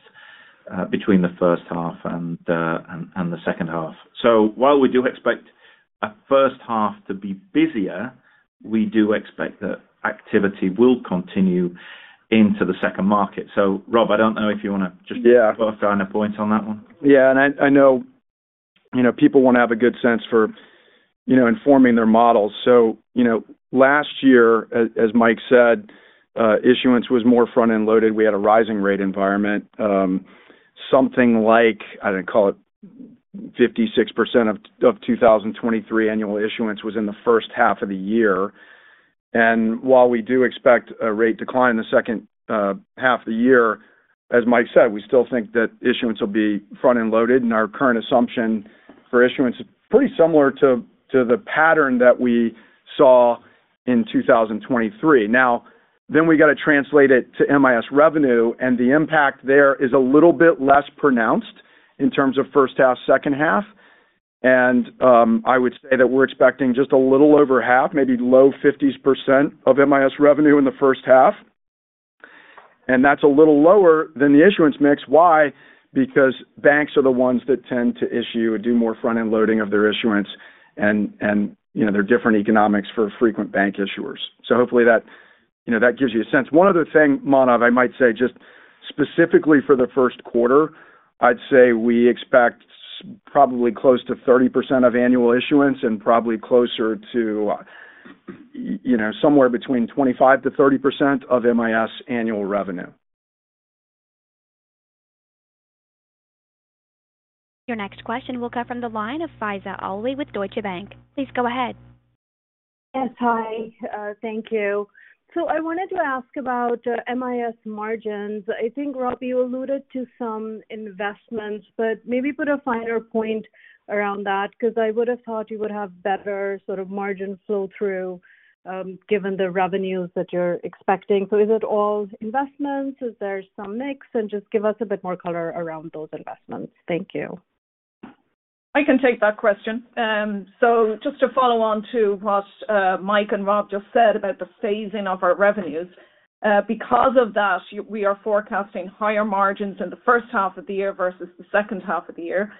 H: between the first half and the second half. So while we do expect a first half to be busier we do expect that activity will continue into the second market. So Rob I don't know if you want to just draw a finer point on that one.
C: Yeah. And I know people want to have a good sense for informing their models. So last year as Mike said issuance was more front-end loaded. We had a rising rate environment. Something like I didn't call it 56% of 2023 annual issuance was in the first half of the year. And while we do expect a rate decline in the second half of the year as Mike said we still think that issuance will be front-end loaded. And our current assumption for issuance is pretty similar to the pattern that we saw in 2023. Now then we got to translate it to MIS revenue and the impact there is a little bit less pronounced in terms of first half, second half. And I would say that we're expecting just a little over half maybe low 50s% of MIS revenue in the first half. That's a little lower than the issuance mix. Why? Because banks are the ones that tend to issue and do more front-end loading of their issuance and there are different economics for frequent bank issuers. So hopefully that gives you a sense. One other thing Manav I might say just specifically for the first quarter I'd say we expect probably close to 30% of annual issuance and probably closer to somewhere between 25%-30% of MIS annual revenue.
A: Your next question will come from the line of Faiza Alwy with Deutsche Bank. Please go ahead.
I: Yes, hi. Thank you. So I wanted to ask about MIS margins. I think Rob you alluded to some investments but maybe put a finer point around that because I would have thought you would have better sort of margin flow-through given the revenues that you're expecting. So is it all investments? Is there some mix? And just give us a bit more color around those investments. Thank you.
E: I can take that question. So just to follow on to what Mike and Rob just said about the phasing of our revenues. Because of that we are forecasting higher margins in the first half of the year versus the second half of the year.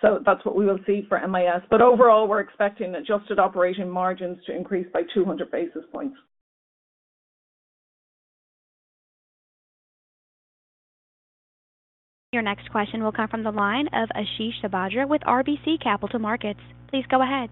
E: So that's what we will see for MIS. But overall we're expecting adjusted operating margins to increase by 200 basis points.
A: Your next question will come from the line of Ashish Sabadra with RBC Capital Markets. Please go ahead.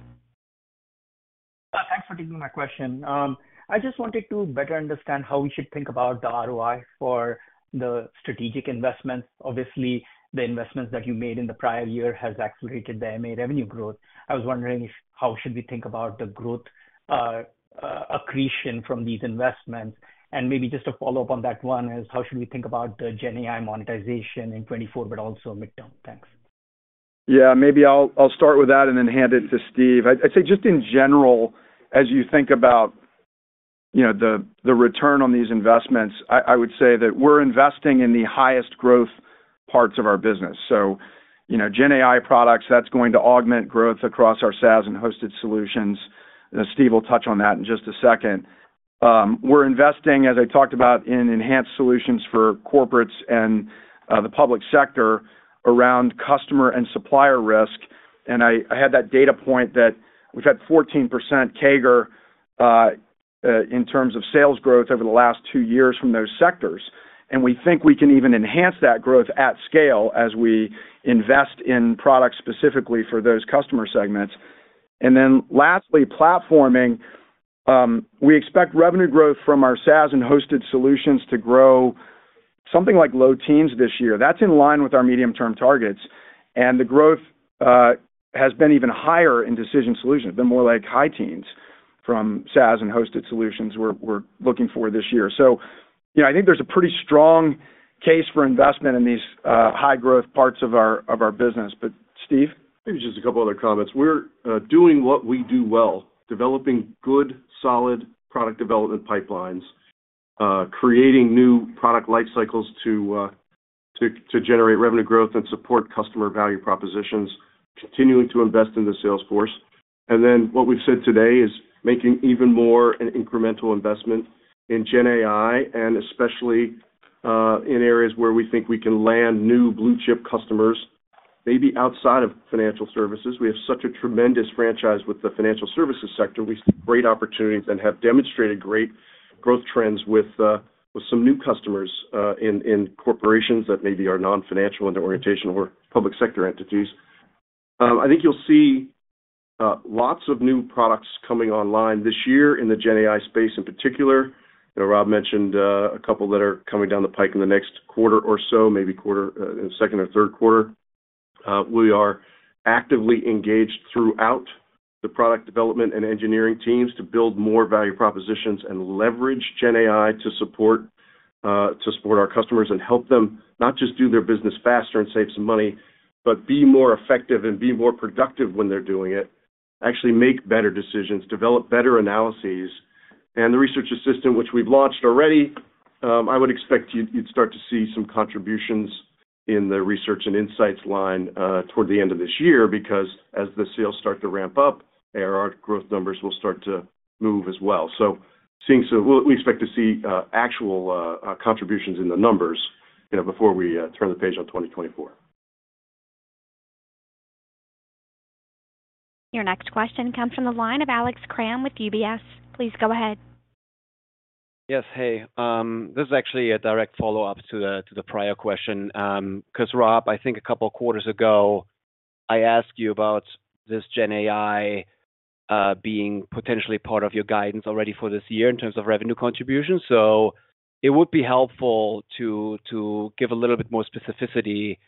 J: Thanks for taking my question. I just wanted to better understand how we should think about the ROI for the strategic investments. Obviously the investments that you made in the prior year has accelerated the MA revenue growth. I was wondering how should we think about the growth accretion from these investments. Maybe just a follow-up on that one is how should we think about the GenAI monetization in 2024 but also midterm? Thanks.
C: Yeah. Maybe I'll start with that and then hand it to Steve. I'd say just in general as you think about the return on these investments, I would say that we're investing in the highest growth parts of our business. So GenAI products, that's going to augment growth across our SaaS and hosted solutions. Steve will touch on that in just a second. We're investing, as I talked about, in enhanced solutions for corporates and the public sector around customer and supplier risk. And I had that data point that we've had 14% CAGR in terms of sales growth over the last two years from those sectors. And we think we can even enhance that growth at scale as we invest in products specifically for those customer segments. And then lastly, platforming, we expect revenue growth from our SaaS and hosted solutions to grow something like low teens this year. That's in line with our medium-term targets. The growth has been even higher in decision solutions. It's been more like high teens from SaaS and hosted solutions we're looking for this year. I think there's a pretty strong case for investment in these high-growth parts of our business. Steve?
K: Maybe just a couple other comments. We're doing what we do well developing good solid product development pipelines, creating new product life cycles to generate revenue growth and support customer value propositions, continuing to invest in the sales force. And then what we've said today is making even more an incremental investment in GenAI and especially in areas where we think we can land new blue-chip customers maybe outside of financial services. We have such a tremendous franchise with the financial services sector. We see great opportunities and have demonstrated great growth trends with some new customers in corporations that maybe are non-financial in their orientation or public sector entities. I think you'll see lots of new products coming online this year in the GenAI space in particular. Rob mentioned a couple that are coming down the pike in the next quarter or so maybe quarter second or third quarter. We are actively engaged throughout the product development and engineering teams to build more value propositions and leverage GenAI to support our customers and help them not just do their business faster and save some money but be more effective and be more productive when they're doing it, actually make better decisions, develop better analyses. And the Research Assistant which we've launched already I would expect you'd start to see some contributions in the Research and Insights line toward the end of this year because as the sales start to ramp up our growth numbers will start to move as well. So we expect to see actual contributions in the numbers before we turn the page on 2024.
A: Your next question comes from the line of Alex Kramm with UBS. Please go ahead.
L: Yes, hey. This is actually a direct follow-up to the prior question because, Rob, I think a couple quarters ago I asked you about this GenAI being potentially part of your guidance already for this year in terms of revenue contributions. So it would be helpful to give a little bit more specificity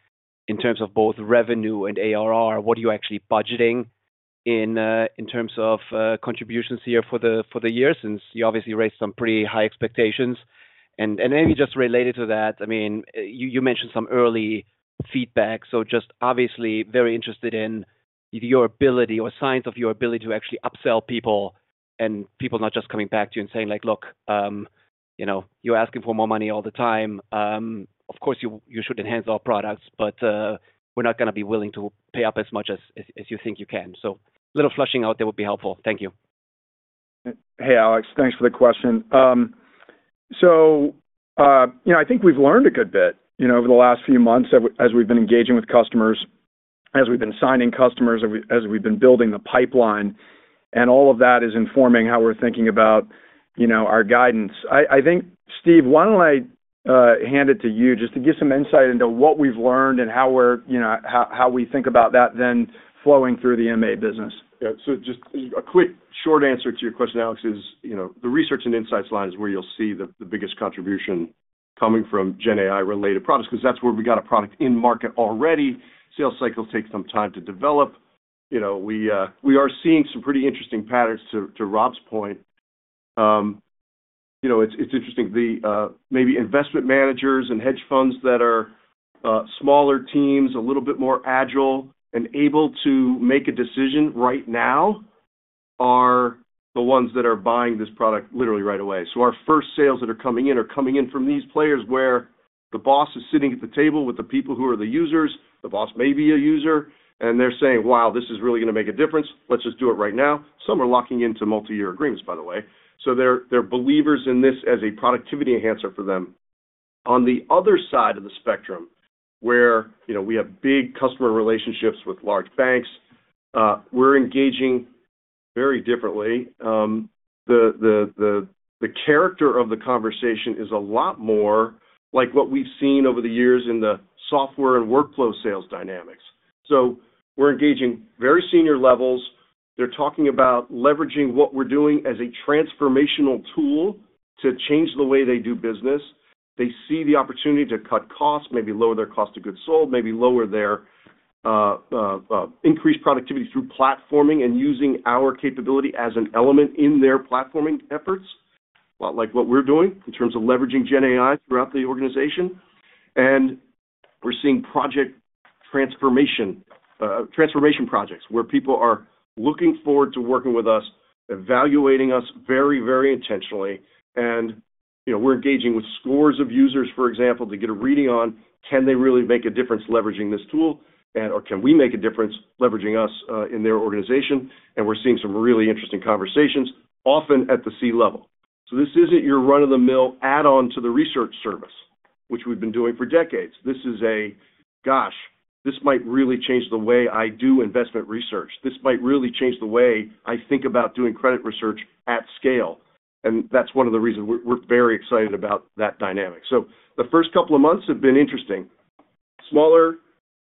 L: in terms of both revenue and ARR. What are you actually budgeting in terms of contributions here for the year since you obviously raised some pretty high expectations? And maybe just related to that, I mean, you mentioned some early feedback. So just obviously very interested in your ability or signs of your ability to actually upsell people and people not just coming back to you and saying like, Look, you're asking for more money all the time. Of course you should enhance our products but we're not going to be willing to pay up as much as you think you can. So a little fleshing out there would be helpful. Thank you.
C: Hey, Alex, thanks for the question. So I think we've learned a good bit over the last few months as we've been engaging with customers, as we've been signing customers, as we've been building the pipeline. And all of that is informing how we're thinking about our guidance. I think, Steve, why don't I hand it to you just to give some insight into what we've learned and how we think about that, then flowing through the MA business.
K: Yeah. So just a quick short answer to your question, Alex, is the Research and Insights line is where you'll see the biggest contribution coming from GenAI-related products because that's where we got a product in market already. Sales cycles take some time to develop. We are seeing some pretty interesting patterns to Rob's point. It's interesting, maybe investment managers and hedge funds that are smaller teams, a little bit more agile and able to make a decision right now are the ones that are buying this product literally right away. So our first sales that are coming in are coming in from these players where the boss is sitting at the table with the people who are the users. The boss may be a user and they're saying, Wow this is really going to make a difference. Let's just do it right now. Some are locking into multi-year agreements by the way. So they're believers in this as a productivity enhancer for them. On the other side of the spectrum where we have big customer relationships with large banks we're engaging very differently. The character of the conversation is a lot more like what we've seen over the years in the software and workflow sales dynamics. So we're engaging very senior levels. They're talking about leveraging what we're doing as a transformational tool to change the way they do business. They see the opportunity to cut costs, maybe lower their cost of goods sold, maybe lower their increased productivity through platforming and using our capability as an element in their platforming efforts a lot like what we're doing in terms of leveraging GenAI throughout the organization. We're seeing project transformation projects where people are looking forward to working with us, evaluating us very, very intentionally. We're engaging with scores of users, for example, to get a reading on can they really make a difference leveraging this tool or can we make a difference leveraging us in their organization. We're seeing some really interesting conversations often at the C-level. So this isn't your run-of-the-mill add-on to the research service which we've been doing for decades. This is a, Gosh this might really change the way I do investment research. This might really change the way I think about doing credit research at scale. And that's one of the reasons we're very excited about that dynamic. So the first couple of months have been interesting. Smaller,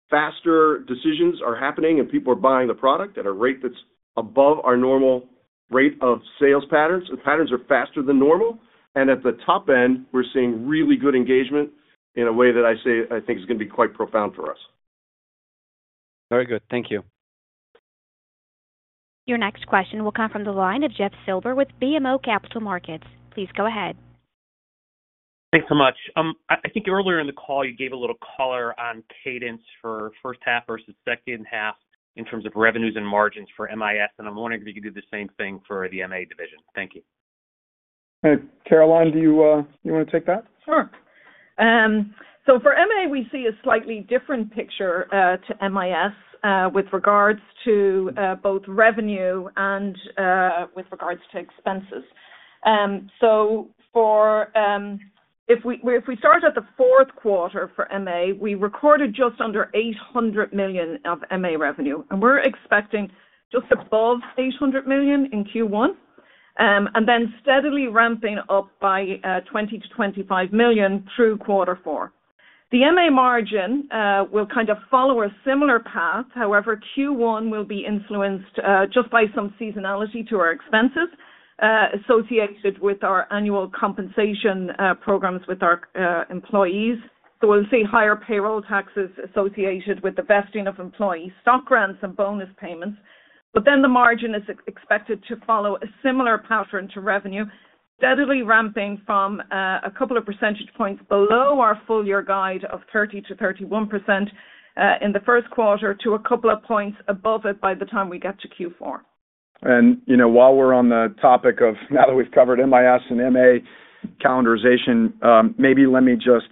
K: faster decisions are happening and people are buying the product at a rate that's above our normal rate of sales patterns. The patterns are faster than normal. At the top end we're seeing really good engagement in a way that I say I think is going to be quite profound for us.
L: Very good. Thank you.
A: Your next question will come from the line of Jeff Silber with BMO Capital Markets. Please go ahead.
M: Thanks so much. I think earlier in the call you gave a little color on cadence for first half versus second half in terms of revenues and margins for MIS. I'm wondering if you could do the same thing for the MA division? Thank you.
C: Caroline, do you want to take that?
E: Sure. So for MA we see a slightly different picture to MIS with regards to both revenue and with regards to expenses. So if we start at the fourth quarter for MA we recorded just under $800 million of MA revenue and we're expecting just above $800 million in Q1 and then steadily ramping up by $20 million-$25 million through quarter four. The MA margin will kind of follow a similar path. However Q1 will be influenced just by some seasonality to our expenses associated with our annual compensation programs with our employees. So we'll see higher payroll taxes associated with the vesting of employee stock grants and bonus payments. But then the margin is expected to follow a similar pattern to revenue steadily ramping from a couple of percentage points below our full-year guide of 30%-31% in the first quarter to a couple of points above it by the time we get to Q4.
C: And while we're on the topic of—now that we've covered MIS and MA calendarization—maybe let me just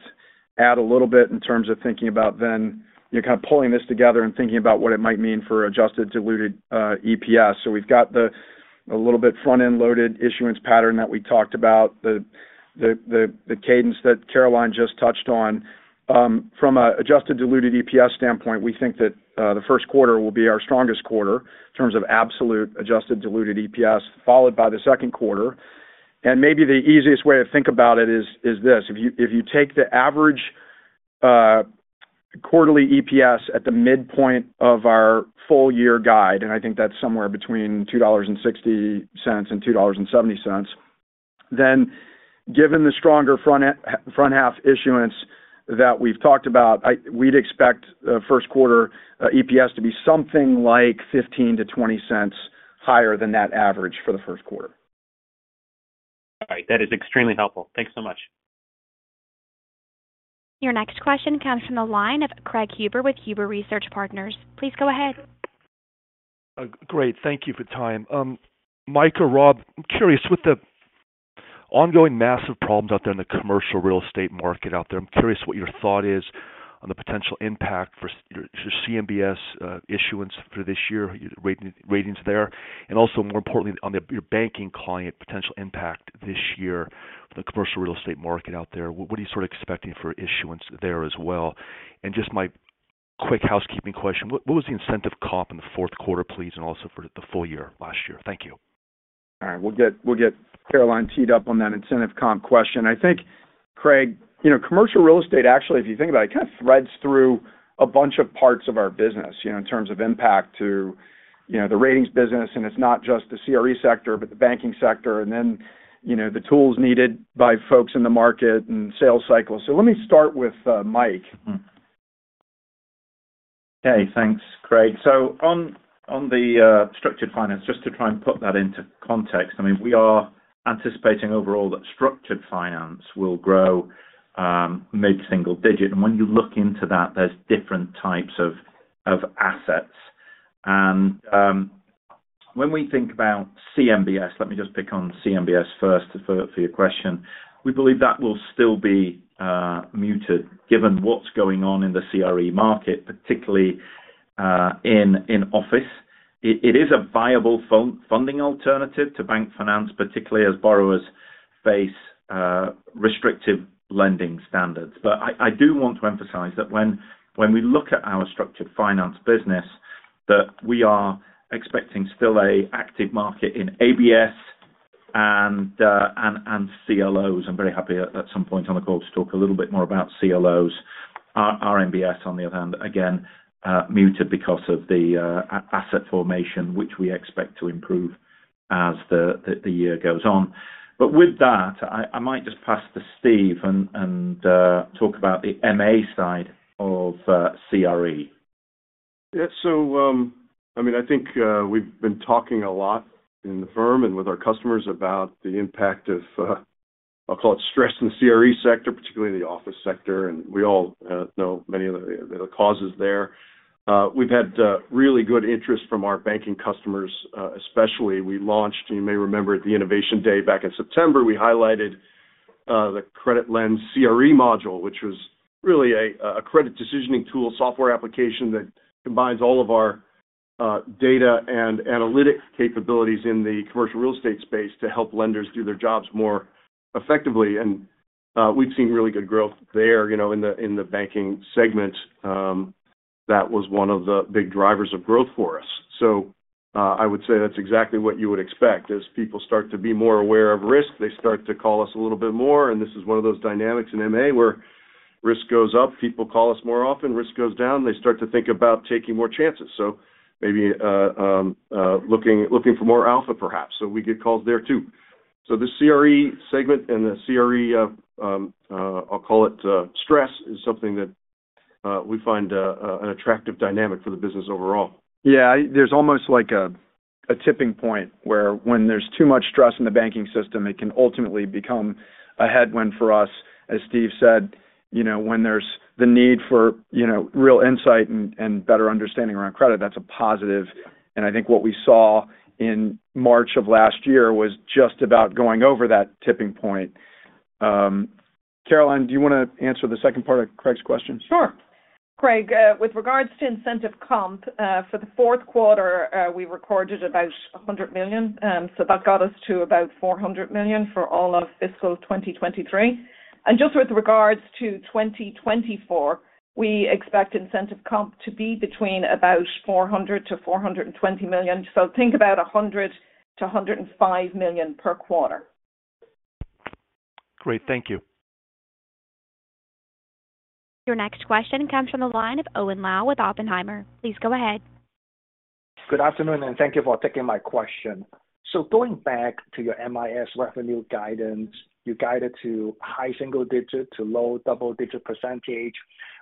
C: add a little bit in terms of thinking about then kind of pulling this together and thinking about what it might mean for adjusted diluted EPS. So we've got a little bit front-end loaded issuance pattern that we talked about, the cadence that Caroline just touched on. From an adjusted diluted EPS standpoint, we think that the first quarter will be our strongest quarter in terms of absolute adjusted diluted EPS, followed by the second quarter. And maybe the easiest way to think about it is this. If you take the average quarterly EPS at the midpoint of our full-year guide and I think that's somewhere between $2.60 and $2.70 then given the stronger front-half issuance that we've talked about we'd expect the first quarter EPS to be something like $0.15-$0.20 higher than that average for the first quarter.
M: All right. That is extremely helpful. Thanks so much.
A: Your next question comes from the line of Craig Huber with Huber Research Partners. Please go ahead.
N: Great. Thank you for your time. Mike, Rob, I'm curious with the ongoing massive problems out there in the commercial real estate market out there. I'm curious what your thought is on the potential impact for your CMBS issuance for this year, your ratings there, and also more importantly on your banking client potential impact this year for the commercial real estate market out there. What are you sort of expecting for issuance there as well? And just my quick housekeeping question: what was the incentive comp in the fourth quarter, please, and also for the full year last year? Thank you.
C: All right. We'll get Caroline teed up on that incentive comp question. I think Craig, commercial real estate actually if you think about it kind of threads through a bunch of parts of our business in terms of impact to the ratings business and it's not just the CRE sector but the banking sector and then the tools needed by folks in the market and sales cycles. So let me start with Michael.
H: Hey, thanks, Craig. So, on the structured finance, just to try and put that into context, I mean, we are anticipating overall that structured finance will grow mid-single digit. And when you look into that, there's different types of assets. And when we think about CMBS, let me just pick on CMBS first for your question. We believe that will still be muted given what's going on in the CRE market, particularly in office. It is a viable funding alternative to bank finance, particularly as borrowers face restrictive lending standards. But I do want to emphasize that when we look at our structured finance business, that we are expecting still an active market in ABS and CLOs. I'm very happy at some point on the call to talk a little bit more about CLOs. RMBS on the other hand again muted because of the asset formation which we expect to improve as the year goes on. But with that I might just pass to Steve and talk about the MA side of CRE.
C: Yeah. So I mean I think we've been talking a lot in the firm and with our customers about the impact of I'll call it stress in the CRE sector particularly in the office sector and we all know many of the causes there. We've had really good interest from our banking customers especially. We launched you may remember at the Innovation Day back in September we highlighted the CreditLens CRE module which was really a credit decisioning tool software application that combines all of our data and analytic capabilities in the commercial real estate space to help lenders do their jobs more effectively. And we've seen really good growth there in the banking segment. That was one of the big drivers of growth for us. So I would say that's exactly what you would expect. As people start to be more aware of risk, they start to call us a little bit more. And this is one of those dynamics in M&A where risk goes up, people call us more often, risk goes down, they start to think about taking more chances. So maybe looking for more alpha, perhaps. So we get calls there too. So the CRE segment and the CRE, I'll call it, stress is something that we find an attractive dynamic for the business overall.
N: Yeah. There's almost like a tipping point where when there's too much stress in the banking system it can ultimately become a headwind for us. As Steve said when there's the need for real insight and better understanding around credit that's a positive. And I think what we saw in March of last year was just about going over that tipping point. Caroline do you want to answer the second part of Craig's question?
E: Sure. Craig, with regards to incentive comp for the fourth quarter, we recorded about $100 million. That got us to about $400 million for all of fiscal 2023. Just with regards to 2024, we expect incentive comp to be between about $400 million-$420 million. Think about $100 million-$105 million per quarter.
N: Great. Thank you.
A: Your next question comes from the line of Owen Lau with Oppenheimer. Please go ahead.
O: Good afternoon and thank you for taking my question. Going back to your MIS revenue guidance, you guided to high single-digit to low double-digit percentage,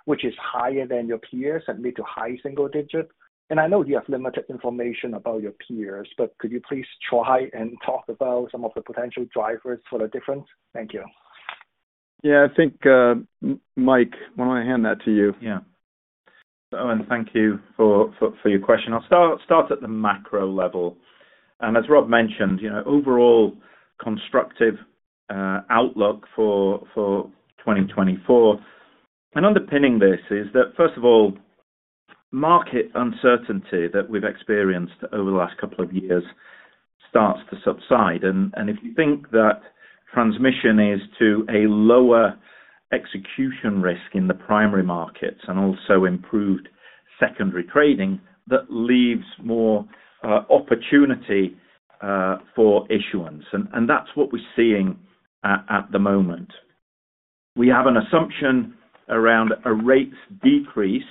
O: which is higher than your peers at mid- to high single-digit. I know you have limited information about your peers, but could you please try and talk about some of the potential drivers for the difference? Thank you.
C: Yeah. I think, Michael, why don't I hand that to you?
H: Yeah. Owen, thank you for your question. I'll start at the macro level. As Rob mentioned, overall constructive outlook for 2024. Underpinning this is that first of all, market uncertainty that we've experienced over the last couple of years starts to subside. If you think that transmission is to a lower execution risk in the primary markets and also improved secondary trading, that leaves more opportunity for issuance. That's what we're seeing at the moment. We have an assumption around a rates decrease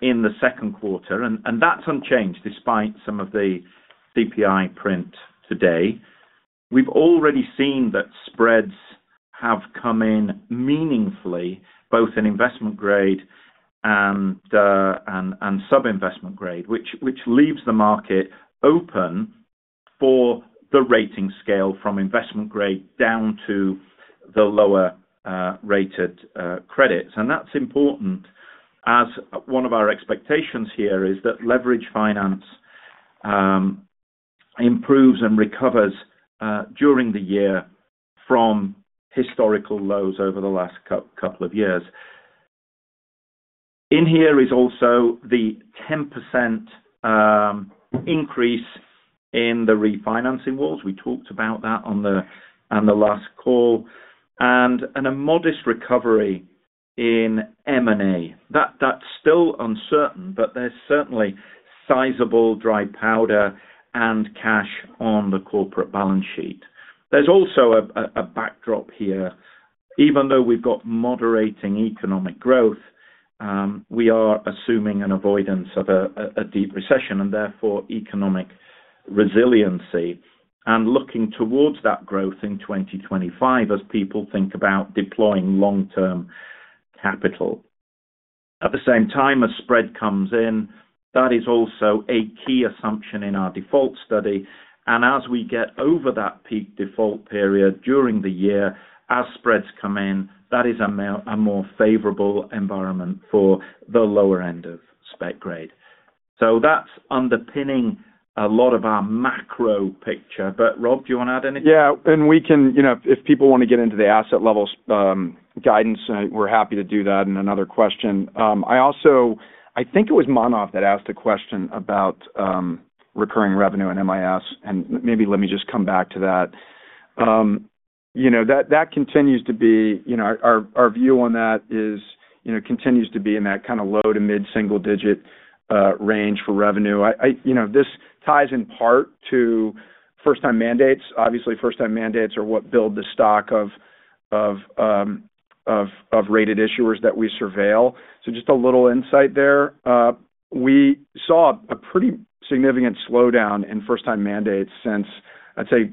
H: in the second quarter and that's unchanged despite some of the CPI print today. We've already seen that spreads have come in meaningfully both in investment grade and sub-investment grade, which leaves the market open for the rating scale from investment grade down to the lower rated credits. That's important as one of our expectations here is that leveraged finance improves and recovers during the year from historical lows over the last couple of years. In here is also the 10% increase in the refinancing walls. We talked about that on the last call. A modest recovery in M&A. That's still uncertain but there's certainly sizable dry powder and cash on the corporate balance sheet. There's also a backdrop here even though we've got moderating economic growth we are assuming an avoidance of a deep recession and therefore economic resiliency and looking towards that growth in 2025 as people think about deploying long-term capital. At the same time as spread comes in that is also a key assumption in our default study. As we get over that peak default period during the year as spreads come in that is a more favorable environment for the lower end of spec grade. That's underpinning a lot of our macro picture. But Rob, do you want to add anything?
C: Yeah. And we can, if people want to get into the asset levels guidance, we're happy to do that. And another question I also I think it was Mo that asked a question about recurring revenue and MIS and maybe let me just come back to that. That continues to be our view on that is continues to be in that kind of low- to mid-single-digit range for revenue. This ties in part to first-time mandates. Obviously first-time mandates are what build the stock of rated issuers that we surveil. So just a little insight there. We saw a pretty significant slowdown in first-time mandates since I'd say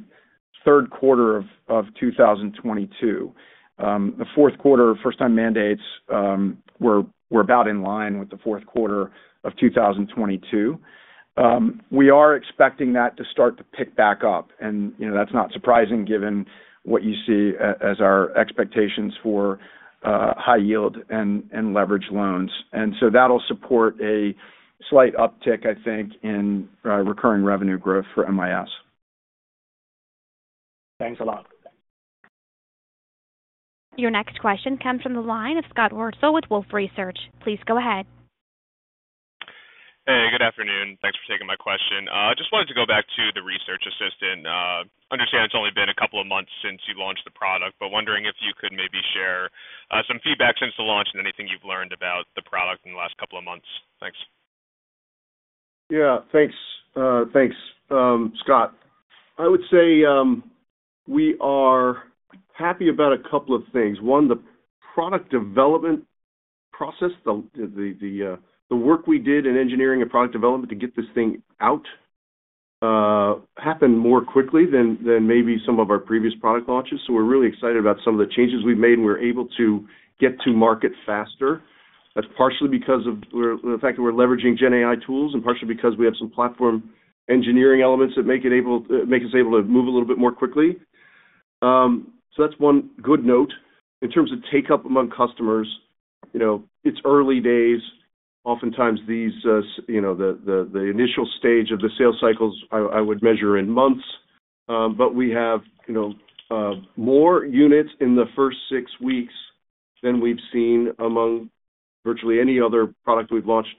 C: third quarter of 2022. The fourth quarter of first-time mandates were about in line with the fourth quarter of 2022. We are expecting that to start to pick back up and that's not surprising given what you see as our expectations for high yield and leveraged loans. So that'll support a slight uptick I think in recurring revenue growth for MIS.
O: Thanks a lot.
A: Your next question comes from the line of Scott Wurtzel with Wolfe Research. Please go ahead.
P: Hey. Good afternoon. Thanks for taking my question. I just wanted to go back to the Research Assistant. Understand it's only been a couple of months since you launched the product but wondering if you could maybe share some feedback since the launch and anything you've learned about the product in the last couple of months? Thanks.
C: Yeah. Thanks. Thanks Scott. I would say we are happy about a couple of things. One, the product development process, the work we did in engineering and product development to get this thing out happened more quickly than maybe some of our previous product launches. So we're really excited about some of the changes we've made and we're able to get to market faster. That's partially because of the fact that we're leveraging GenAI tools and partially because we have some platform engineering elements that make us able to move a little bit more quickly. So that's one good note. In terms of take-up among customers it's early days. Oftentimes the initial stage of the sales cycles I would measure in months. But we have more units in the first six weeks than we've seen among virtually any other product we've launched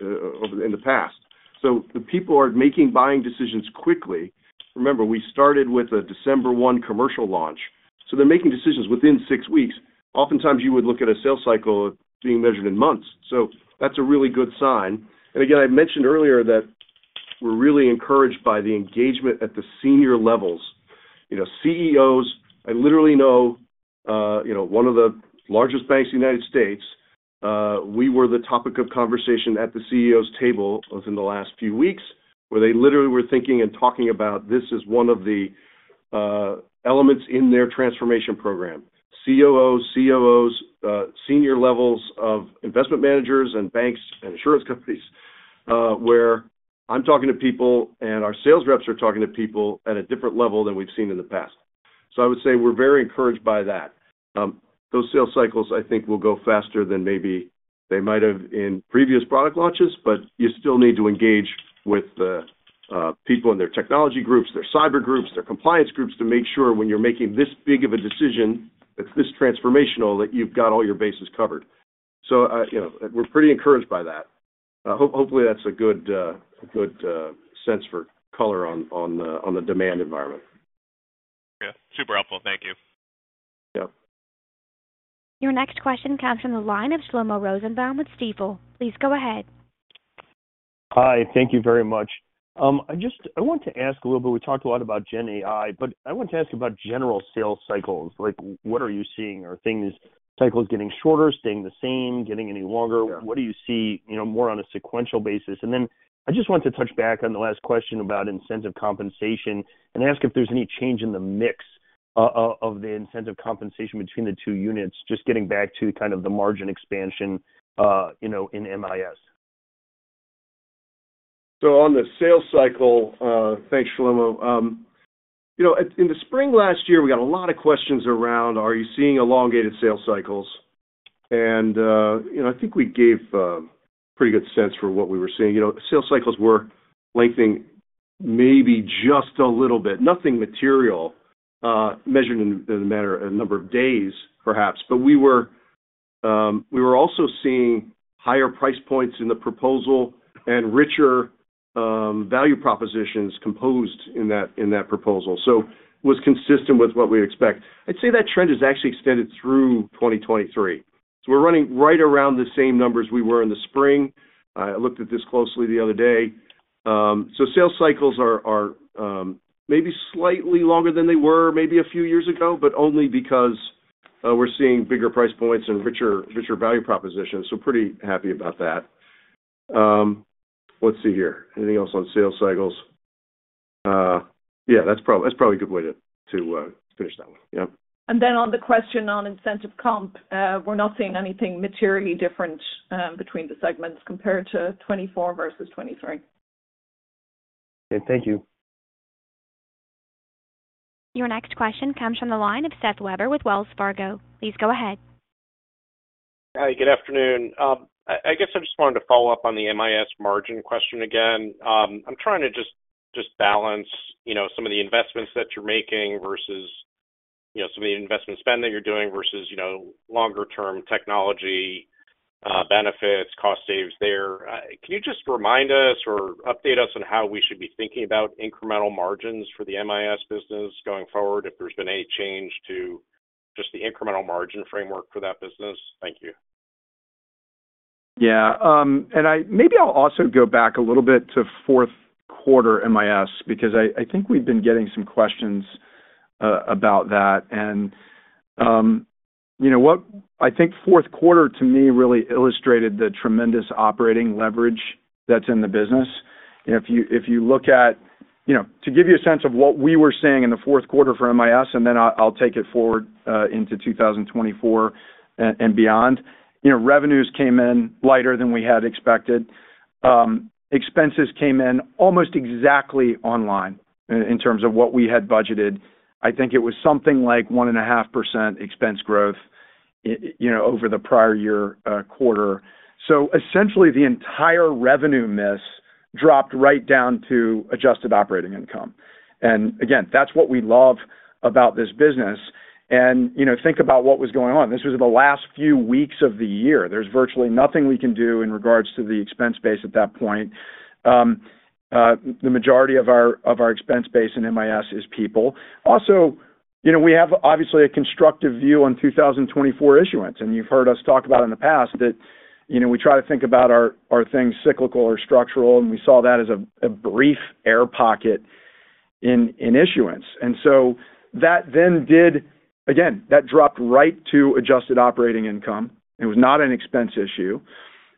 C: in the past. So the people are making buying decisions quickly. Remember we started with a December 1 commercial launch. So they're making decisions within six weeks. Oftentimes you would look at a sales cycle being measured in months. So that's a really good sign. And again I mentioned earlier that we're really encouraged by the engagement at the senior levels. CEOs, I literally know one of the largest banks in the United States; we were the topic of conversation at the CEO's table within the last few weeks where they literally were thinking and talking about this as one of the elements in their transformation program. COOs, senior levels of investment managers and banks and insurance companies where I'm talking to people and our sales reps are talking to people at a different level than we've seen in the past. So I would say we're very encouraged by that. Those sales cycles I think will go faster than maybe they might have in previous product launches, but you still need to engage with the people in their technology groups, their cyber groups, their compliance groups to make sure when you're making this big of a decision that's this transformational that you've got all your bases covered. So we're pretty encouraged by that. Hopefully that's a good sense for color on the demand environment.
P: Yeah. Super helpful. Thank you.
C: Yep.
A: Your next question comes from the line of Shlomo Rosenbaum with Stifel. Please go ahead.
Q: Hi. Thank you very much. I want to ask a little bit. We talked a lot about GenAI, but I want to ask about general sales cycles. What are you seeing? Are things cycles getting shorter, staying the same, getting any longer? What do you see more on a sequential basis? And then I just want to touch back on the last question about incentive compensation and ask if there's any change in the mix of the incentive compensation between the two units. Just getting back to kind of the margin expansion in MIS.
C: So, on the sales cycle, thanks Shlomo. In the spring last year we got a lot of questions around are you seeing elongated sales cycles? I think we gave a pretty good sense for what we were seeing. Sales cycles were lengthening maybe just a little bit, nothing material measured in a matter of a number of days perhaps. But we were also seeing higher price points in the proposal and richer value propositions composed in that proposal. So it was consistent with what we'd expect. I'd say that trend has actually extended through 2023. So we're running right around the same numbers we were in the spring. I looked at this closely the other day. So sales cycles are maybe slightly longer than they were maybe a few years ago but only because we're seeing bigger price points and richer value propositions. So pretty happy about that. Let's see here. Anything else on sales cycles? Yeah. That's probably a good way to finish that one. Yep.
E: And then on the question on incentive comp we're not seeing anything materially different between the segments compared to 2024 versus 2023.
Q: Okay. Thank you.
A: Your next question comes from the line of Seth Weber with Wells Fargo. Please go ahead.
R: Hi. Good afternoon. I guess I just wanted to follow up on the MIS margin question again. I'm trying to just balance some of the investments that you're making versus some of the investment spend that you're doing versus longer-term technology benefits, cost savings there. Can you just remind us or update us on how we should be thinking about incremental margins for the MIS business going forward if there's been any change to just the incremental margin framework for that business? Thank you.
C: Yeah. Maybe I'll also go back a little bit to fourth quarter MIS because I think we've been getting some questions about that. I think fourth quarter to me really illustrated the tremendous operating leverage that's in the business. If you look at to give you a sense of what we were seeing in the fourth quarter for MIS and then I'll take it forward into 2024 and beyond. Revenues came in lighter than we had expected. Expenses came in almost exactly online in terms of what we had budgeted. I think it was something like 1.5% expense growth over the prior year quarter. So essentially the entire revenue miss dropped right down to adjusted operating income. And again that's what we love about this business. Think about what was going on. This was the last few weeks of the year. There's virtually nothing we can do in regards to the expense base at that point. The majority of our expense base in MIS is people. Also we have obviously a constructive view on 2024 issuance and you've heard us talk about in the past that we try to think about our things cyclical or structural and we saw that as a brief air pocket in issuance. And so that then did again that dropped right to adjusted operating income. It was not an expense issue.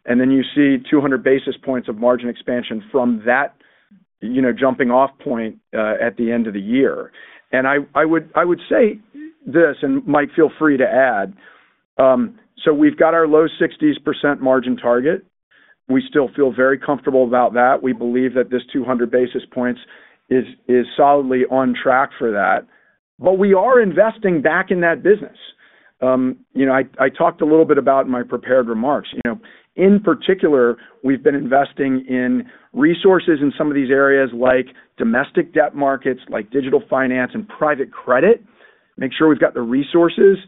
C: And then you see 200 basis points of margin expansion from that jumping-off point at the end of the year. And I would say this and Mike, feel free to add. So we've got our low 60s% margin target. We still feel very comfortable about that. We believe that this 200 basis points is solidly on track for that. But we are investing back in that business. I talked a little bit about in my prepared remarks. In particular, we've been investing in resources in some of these areas like domestic debt markets, like digital finance and private credit. Make sure we've got the resources.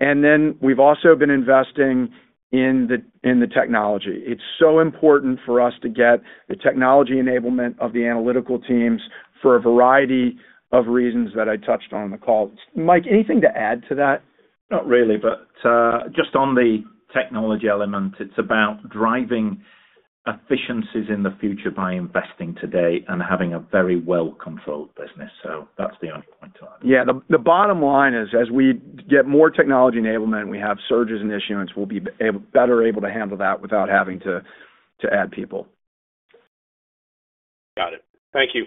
C: And then we've also been investing in the technology. It's so important for us to get the technology enablement of the analytical teams for a variety of reasons that I touched on in the call. Mike, anything to add to that?
H: Not really. But just on the technology element it's about driving efficiencies in the future by investing today and having a very well-controlled business. So that's the only point to add.
C: Yeah. The bottom line is as we get more technology enablement, we have surges in issuance. We'll be better able to handle that without having to add people.
R: Got it. Thank you.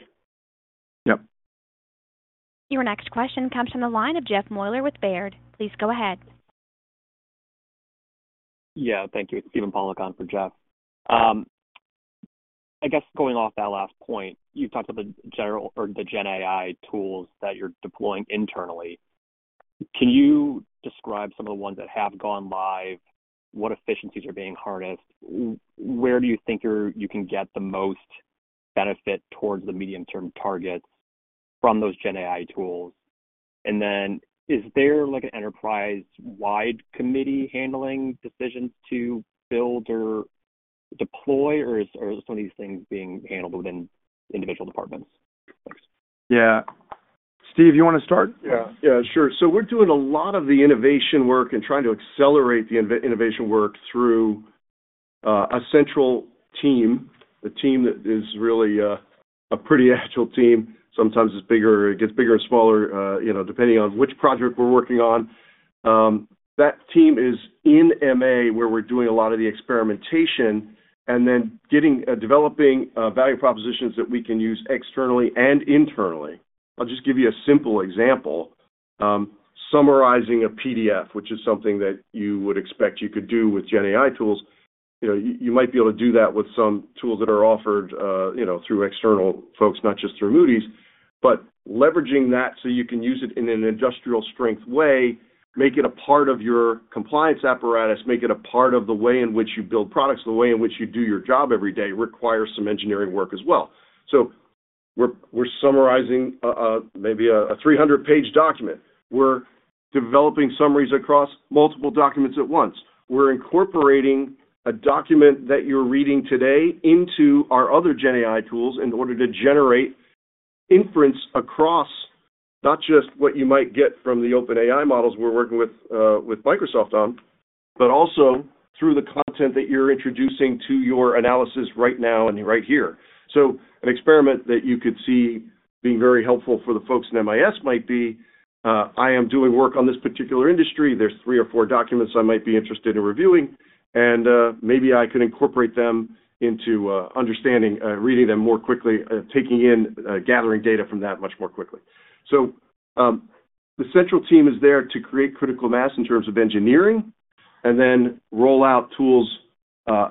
C: Yep.
A: Your next question comes from the line of Jeff Meuler with Baird. Please go ahead.
S: Yeah. Thank you. Steven Pawlak on for Jeff. I guess going off that last point, you've talked about the general or the GenAI tools that you're deploying internally. Can you describe some of the ones that have gone live, what efficiencies are being harnessed, where do you think you can get the most benefit towards the medium-term targets from those GenAI tools? And then is there an enterprise-wide committee handling decisions to build or deploy or are some of these things being handled within individual departments? Thanks.
C: Yeah. Steve, you want to start?
K: Yeah. Yeah. Sure. So we're doing a lot of the innovation work and trying to accelerate the innovation work through a central team, a team that is really a pretty agile team. Sometimes it's bigger. It gets bigger and smaller depending on which project we're working on. That team is in M&A where we're doing a lot of the experimentation and then developing value propositions that we can use externally and internally. I'll just give you a simple example. Summarizing a PDF, which is something that you would expect you could do with GenAI tools, you might be able to do that with some tools that are offered through external folks, not just through Moody's. But leveraging that so you can use it in an industrial-strength way, make it a part of your compliance apparatus, make it a part of the way in which you build products, the way in which you do your job every day requires some engineering work as well. So we're summarizing maybe a 300-page document. We're developing summaries across multiple documents at once. We're incorporating a document that you're reading today into our other GenAI tools in order to generate inference across not just what you might get from the OpenAI models we're working with Microsoft on but also through the content that you're introducing to your analysis right now and right here. So an experiment that you could see being very helpful for the folks in MIS might be, I am doing work on this particular industry. There's three or four documents I might be interested in reviewing. And maybe I could incorporate them into understanding, reading them more quickly, taking in, gathering data from that much more quickly. So the central team is there to create critical mass in terms of engineering and then roll out tools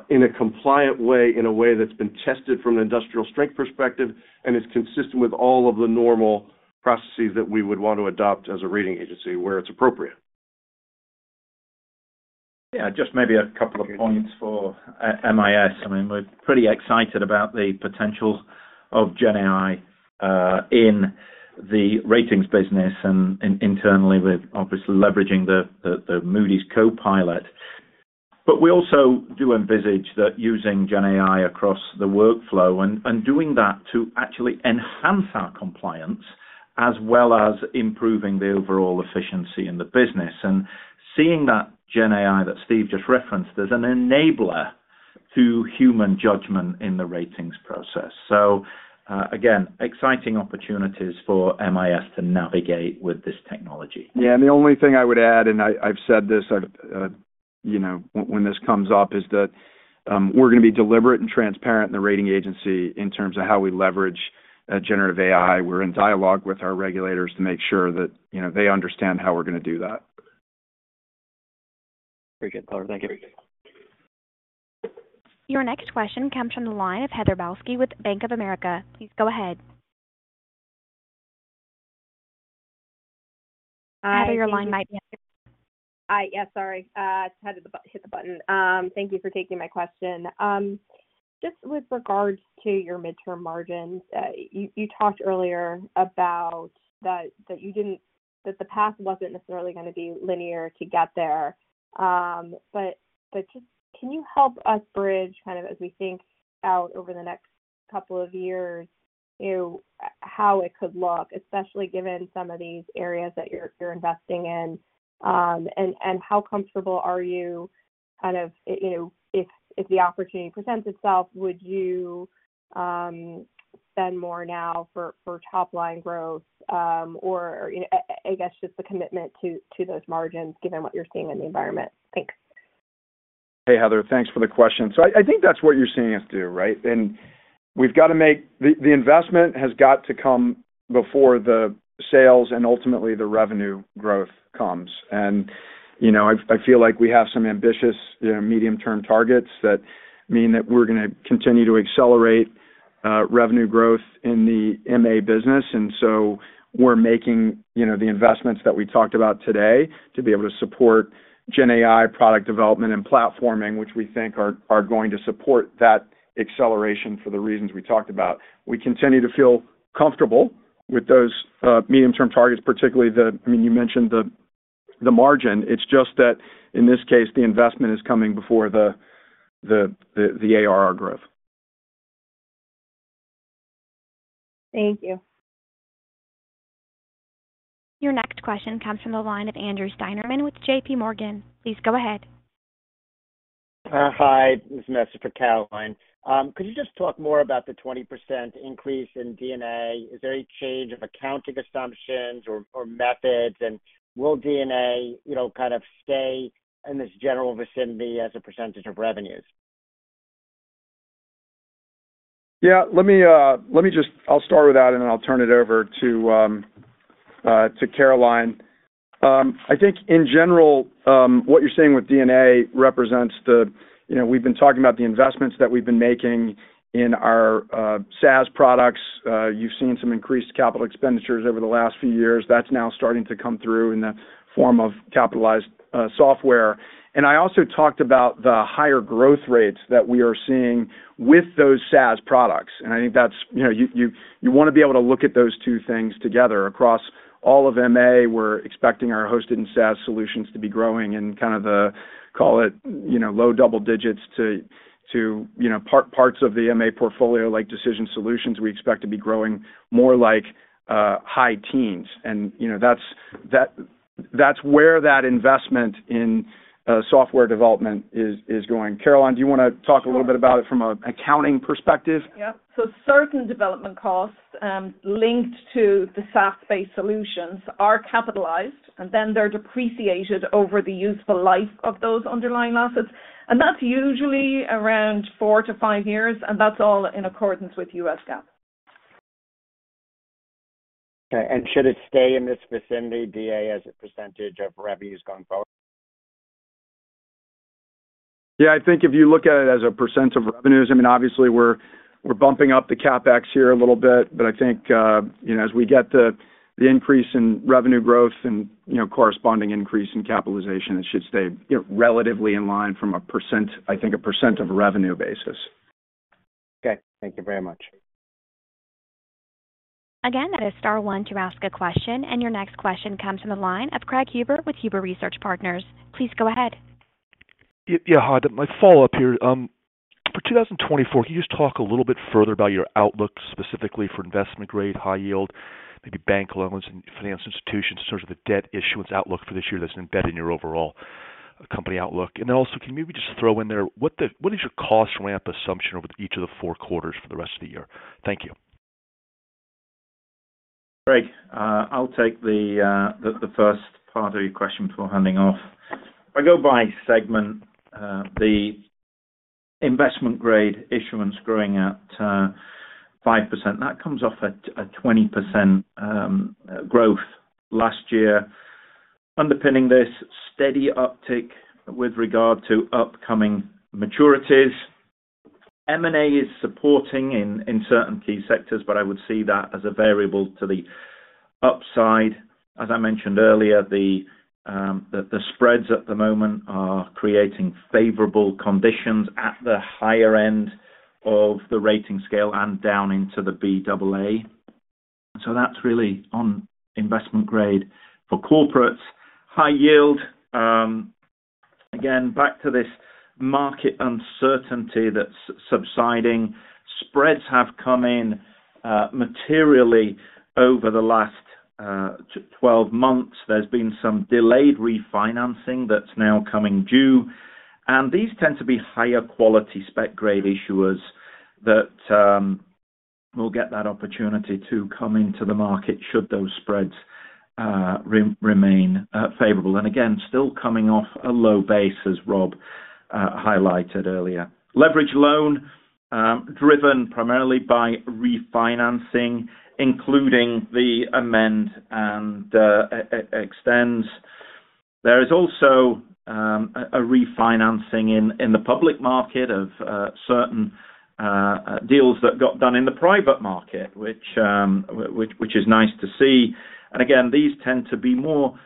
K: in a compliant way, in a way that's been tested from an industrial-strength perspective and is consistent with all of the normal processes that we would want to adopt as a rating agency where it's appropriate.
H: Yeah. Just maybe a couple of points for MIS. I mean, we're pretty excited about the potential of GenAI in the ratings business and internally with obviously leveraging the Moody's Copilot. But we also do envisage that using GenAI across the workflow and doing that to actually enhance our compliance as well as improving the overall efficiency in the business. And seeing that GenAI that Steve just referenced, there's an enabler to human judgment in the ratings process. So again, exciting opportunities for MIS to navigate with this technology.
C: Yeah. And the only thing I would add and I've said this when this comes up is that we're going to be deliberate and transparent in the rating agency in terms of how we leverage generative AI. We're in dialogue with our regulators to make sure that they understand how we're going to do that.
S: Very good, Fauber. Thank you.
A: Your next question comes from the line of Heather Balsky with Bank of America. Please go ahead. Heather, your line might be up here.
T: Hi. Yes. Sorry. I just had to hit the button. Thank you for taking my question. Just with regards to your midterm margins, you talked earlier about the path wasn't necessarily going to be linear to get there. But can you help us bridge kind of as we think out over the next couple of years how it could look, especially given some of these areas that you're investing in? And how comfortable are you kind of if the opportunity presents itself, would you spend more now for top-line growth or I guess just the commitment to those margins given what you're seeing in the environment? Thanks.
C: Hey, Heather. Thanks for the question. So I think that's what you're seeing us do, right? And we've got to make the investment has got to come before the sales and ultimately the revenue growth comes. And I feel like we have some ambitious medium-term targets that mean that we're going to continue to accelerate revenue growth in the MA business. And so we're making the investments that we talked about today to be able to support GenAI product development and platforming, which we think are going to support that acceleration for the reasons we talked about. We continue to feel comfortable with those medium-term targets, particularly the I mean, you mentioned the margin. It's just that in this case, the investment is coming before the ARR growth.
T: Thank you.
A: Your next question comes from the line of Andrew Steinerman with JPMorgan. Please go ahead.
U: Hi. This is Andrew Steinerman. Could you just talk more about the 20% increase in D&A? Is there any change of accounting assumptions or methods? And will D&A kind of stay in this general vicinity as a percentage of revenues?
K: Yeah. Let me just, I'll start with that and then I'll turn it over to Caroline. I think in general, what you're saying with D&A represents that we've been talking about the investments that we've been making in our SaaS products. You've seen some increased capital expenditures over the last few years. That's now starting to come through in the form of capitalized software. And I also talked about the higher growth rates that we are seeing with those SaaS products. And I think that's, you want to be able to look at those two things together. Across all of MA, we're expecting our hosted and SaaS solutions to be growing in kind of the, call it, low double digits. To parts of the MA portfolio like Decision Solutions, we expect to be growing more like high teens. And that's where that investment in software development is going. Caroline, do you want to talk a little bit about it from an accounting perspective?
E: Yep. Certain development costs linked to the SaaS-based solutions are capitalized and then they're depreciated over the useful life of those underlying assets. That's usually around 4-5 years. That's all in accordance with U.S. GAAP.
U: Okay. And should it stay in this vicinity, D&A, as a percentage of revenues going forward?
C: Yeah. I think if you look at it as a % of revenues, I mean, obviously, we're bumping up the CapEx here a little bit. But I think as we get the increase in revenue growth and corresponding increase in capitalization, it should stay relatively in line from a % I think a % of a revenue basis.
U: Okay. Thank you very much.
A: Again, that is star one to ask a question. And your next question comes from the line of Craig Huber with Huber Research Partners. Please go ahead.
N: Yeah. Hi. My follow-up here. For 2024, can you just talk a little bit further about your outlook specifically for investment grade, high yield, maybe bank loans and financial institutions in terms of the debt issuance outlook for this year that's embedded in your overall company outlook? And then also, can you maybe just throw in there, what is your cost ramp assumption over each of the four quarters for the rest of the year? Thank you.
H: Craig, I'll take the first part of your question before handing off. If I go by segment, the investment grade issuance growing at 5%, that comes off a 20% growth last year. Underpinning this, steady uptick with regard to upcoming maturities. M&A is supporting in certain key sectors, but I would see that as a variable to the upside. As I mentioned earlier, the spreads at the moment are creating favorable conditions at the higher end of the rating scale and down into the BAA. So that's really on investment grade for corporates. High yield. Again, back to this market uncertainty that's subsiding. Spreads have come in materially over the last 12 months. There's been some delayed refinancing that's now coming due. And these tend to be higher-quality spec-grade issuers that will get that opportunity to come into the market should those spreads remain favorable. And again, still coming off a low base as Rob highlighted earlier. Leveraged loan driven primarily by refinancing, including the amend and extends. There is also a refinancing in the public market of certain deals that got done in the private market, which is nice to see. And again, these tend to be more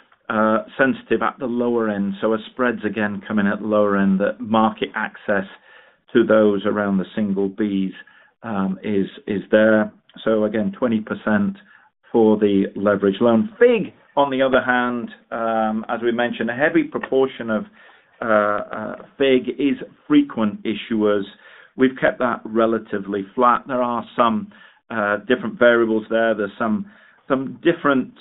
H: sensitive at the lower end. So as spreads again come in at the lower end, the market access to those around the single B's is there. So again, 20% for the leveraged loan. FIG, on the other hand, as we mentioned, a heavy proportion of FIG is frequent issuers. We've kept that relatively flat. There are some different variables there. There's some different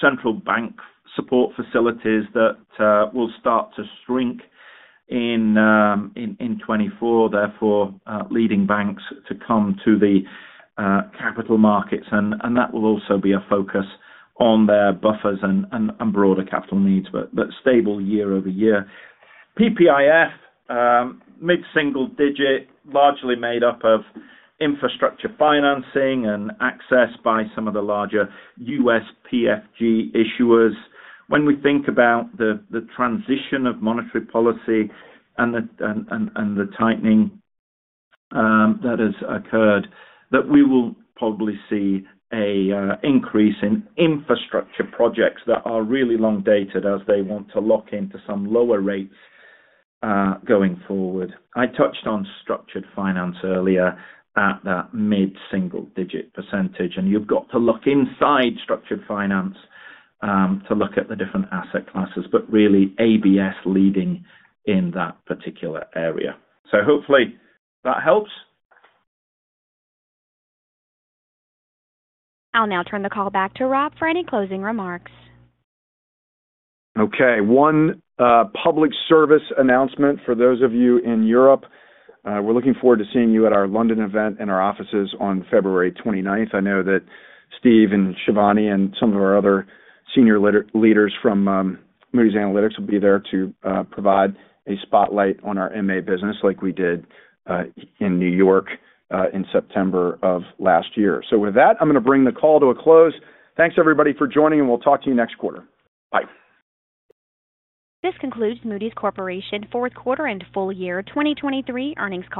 H: central bank support facilities that will start to shrink in 2024, therefore leading banks to come to the capital markets. That will also be a focus on their buffers and broader capital needs, but stable year-over-year. PPIF, mid-single-digit, largely made up of infrastructure financing and access by some of the larger U.S. PPIF issuers. When we think about the transition of monetary policy and the tightening that has occurred, that we will probably see an increase in infrastructure projects that are really long-dated as they want to lock into some lower rates going forward. I touched on structured finance earlier at that mid-single-digit percentage. You've got to look inside structured finance to look at the different asset classes, but really ABS leading in that particular area. Hopefully, that helps.
A: I'll now turn the call back to Rob for any closing remarks.
C: Okay. One public service announcement for those of you in Europe. We're looking forward to seeing you at our London event in our offices on February 29th. I know that Steve and Shivani and some of our other senior leaders from Moody's Analytics will be there to provide a spotlight on our MA business like we did in New York in September of last year. So with that, I'm going to bring the call to a close. Thanks, everybody, for joining. And we'll talk to you next quarter. Bye.
A: This concludes Moody's Corporation fourth quarter and full year 2023 earnings call.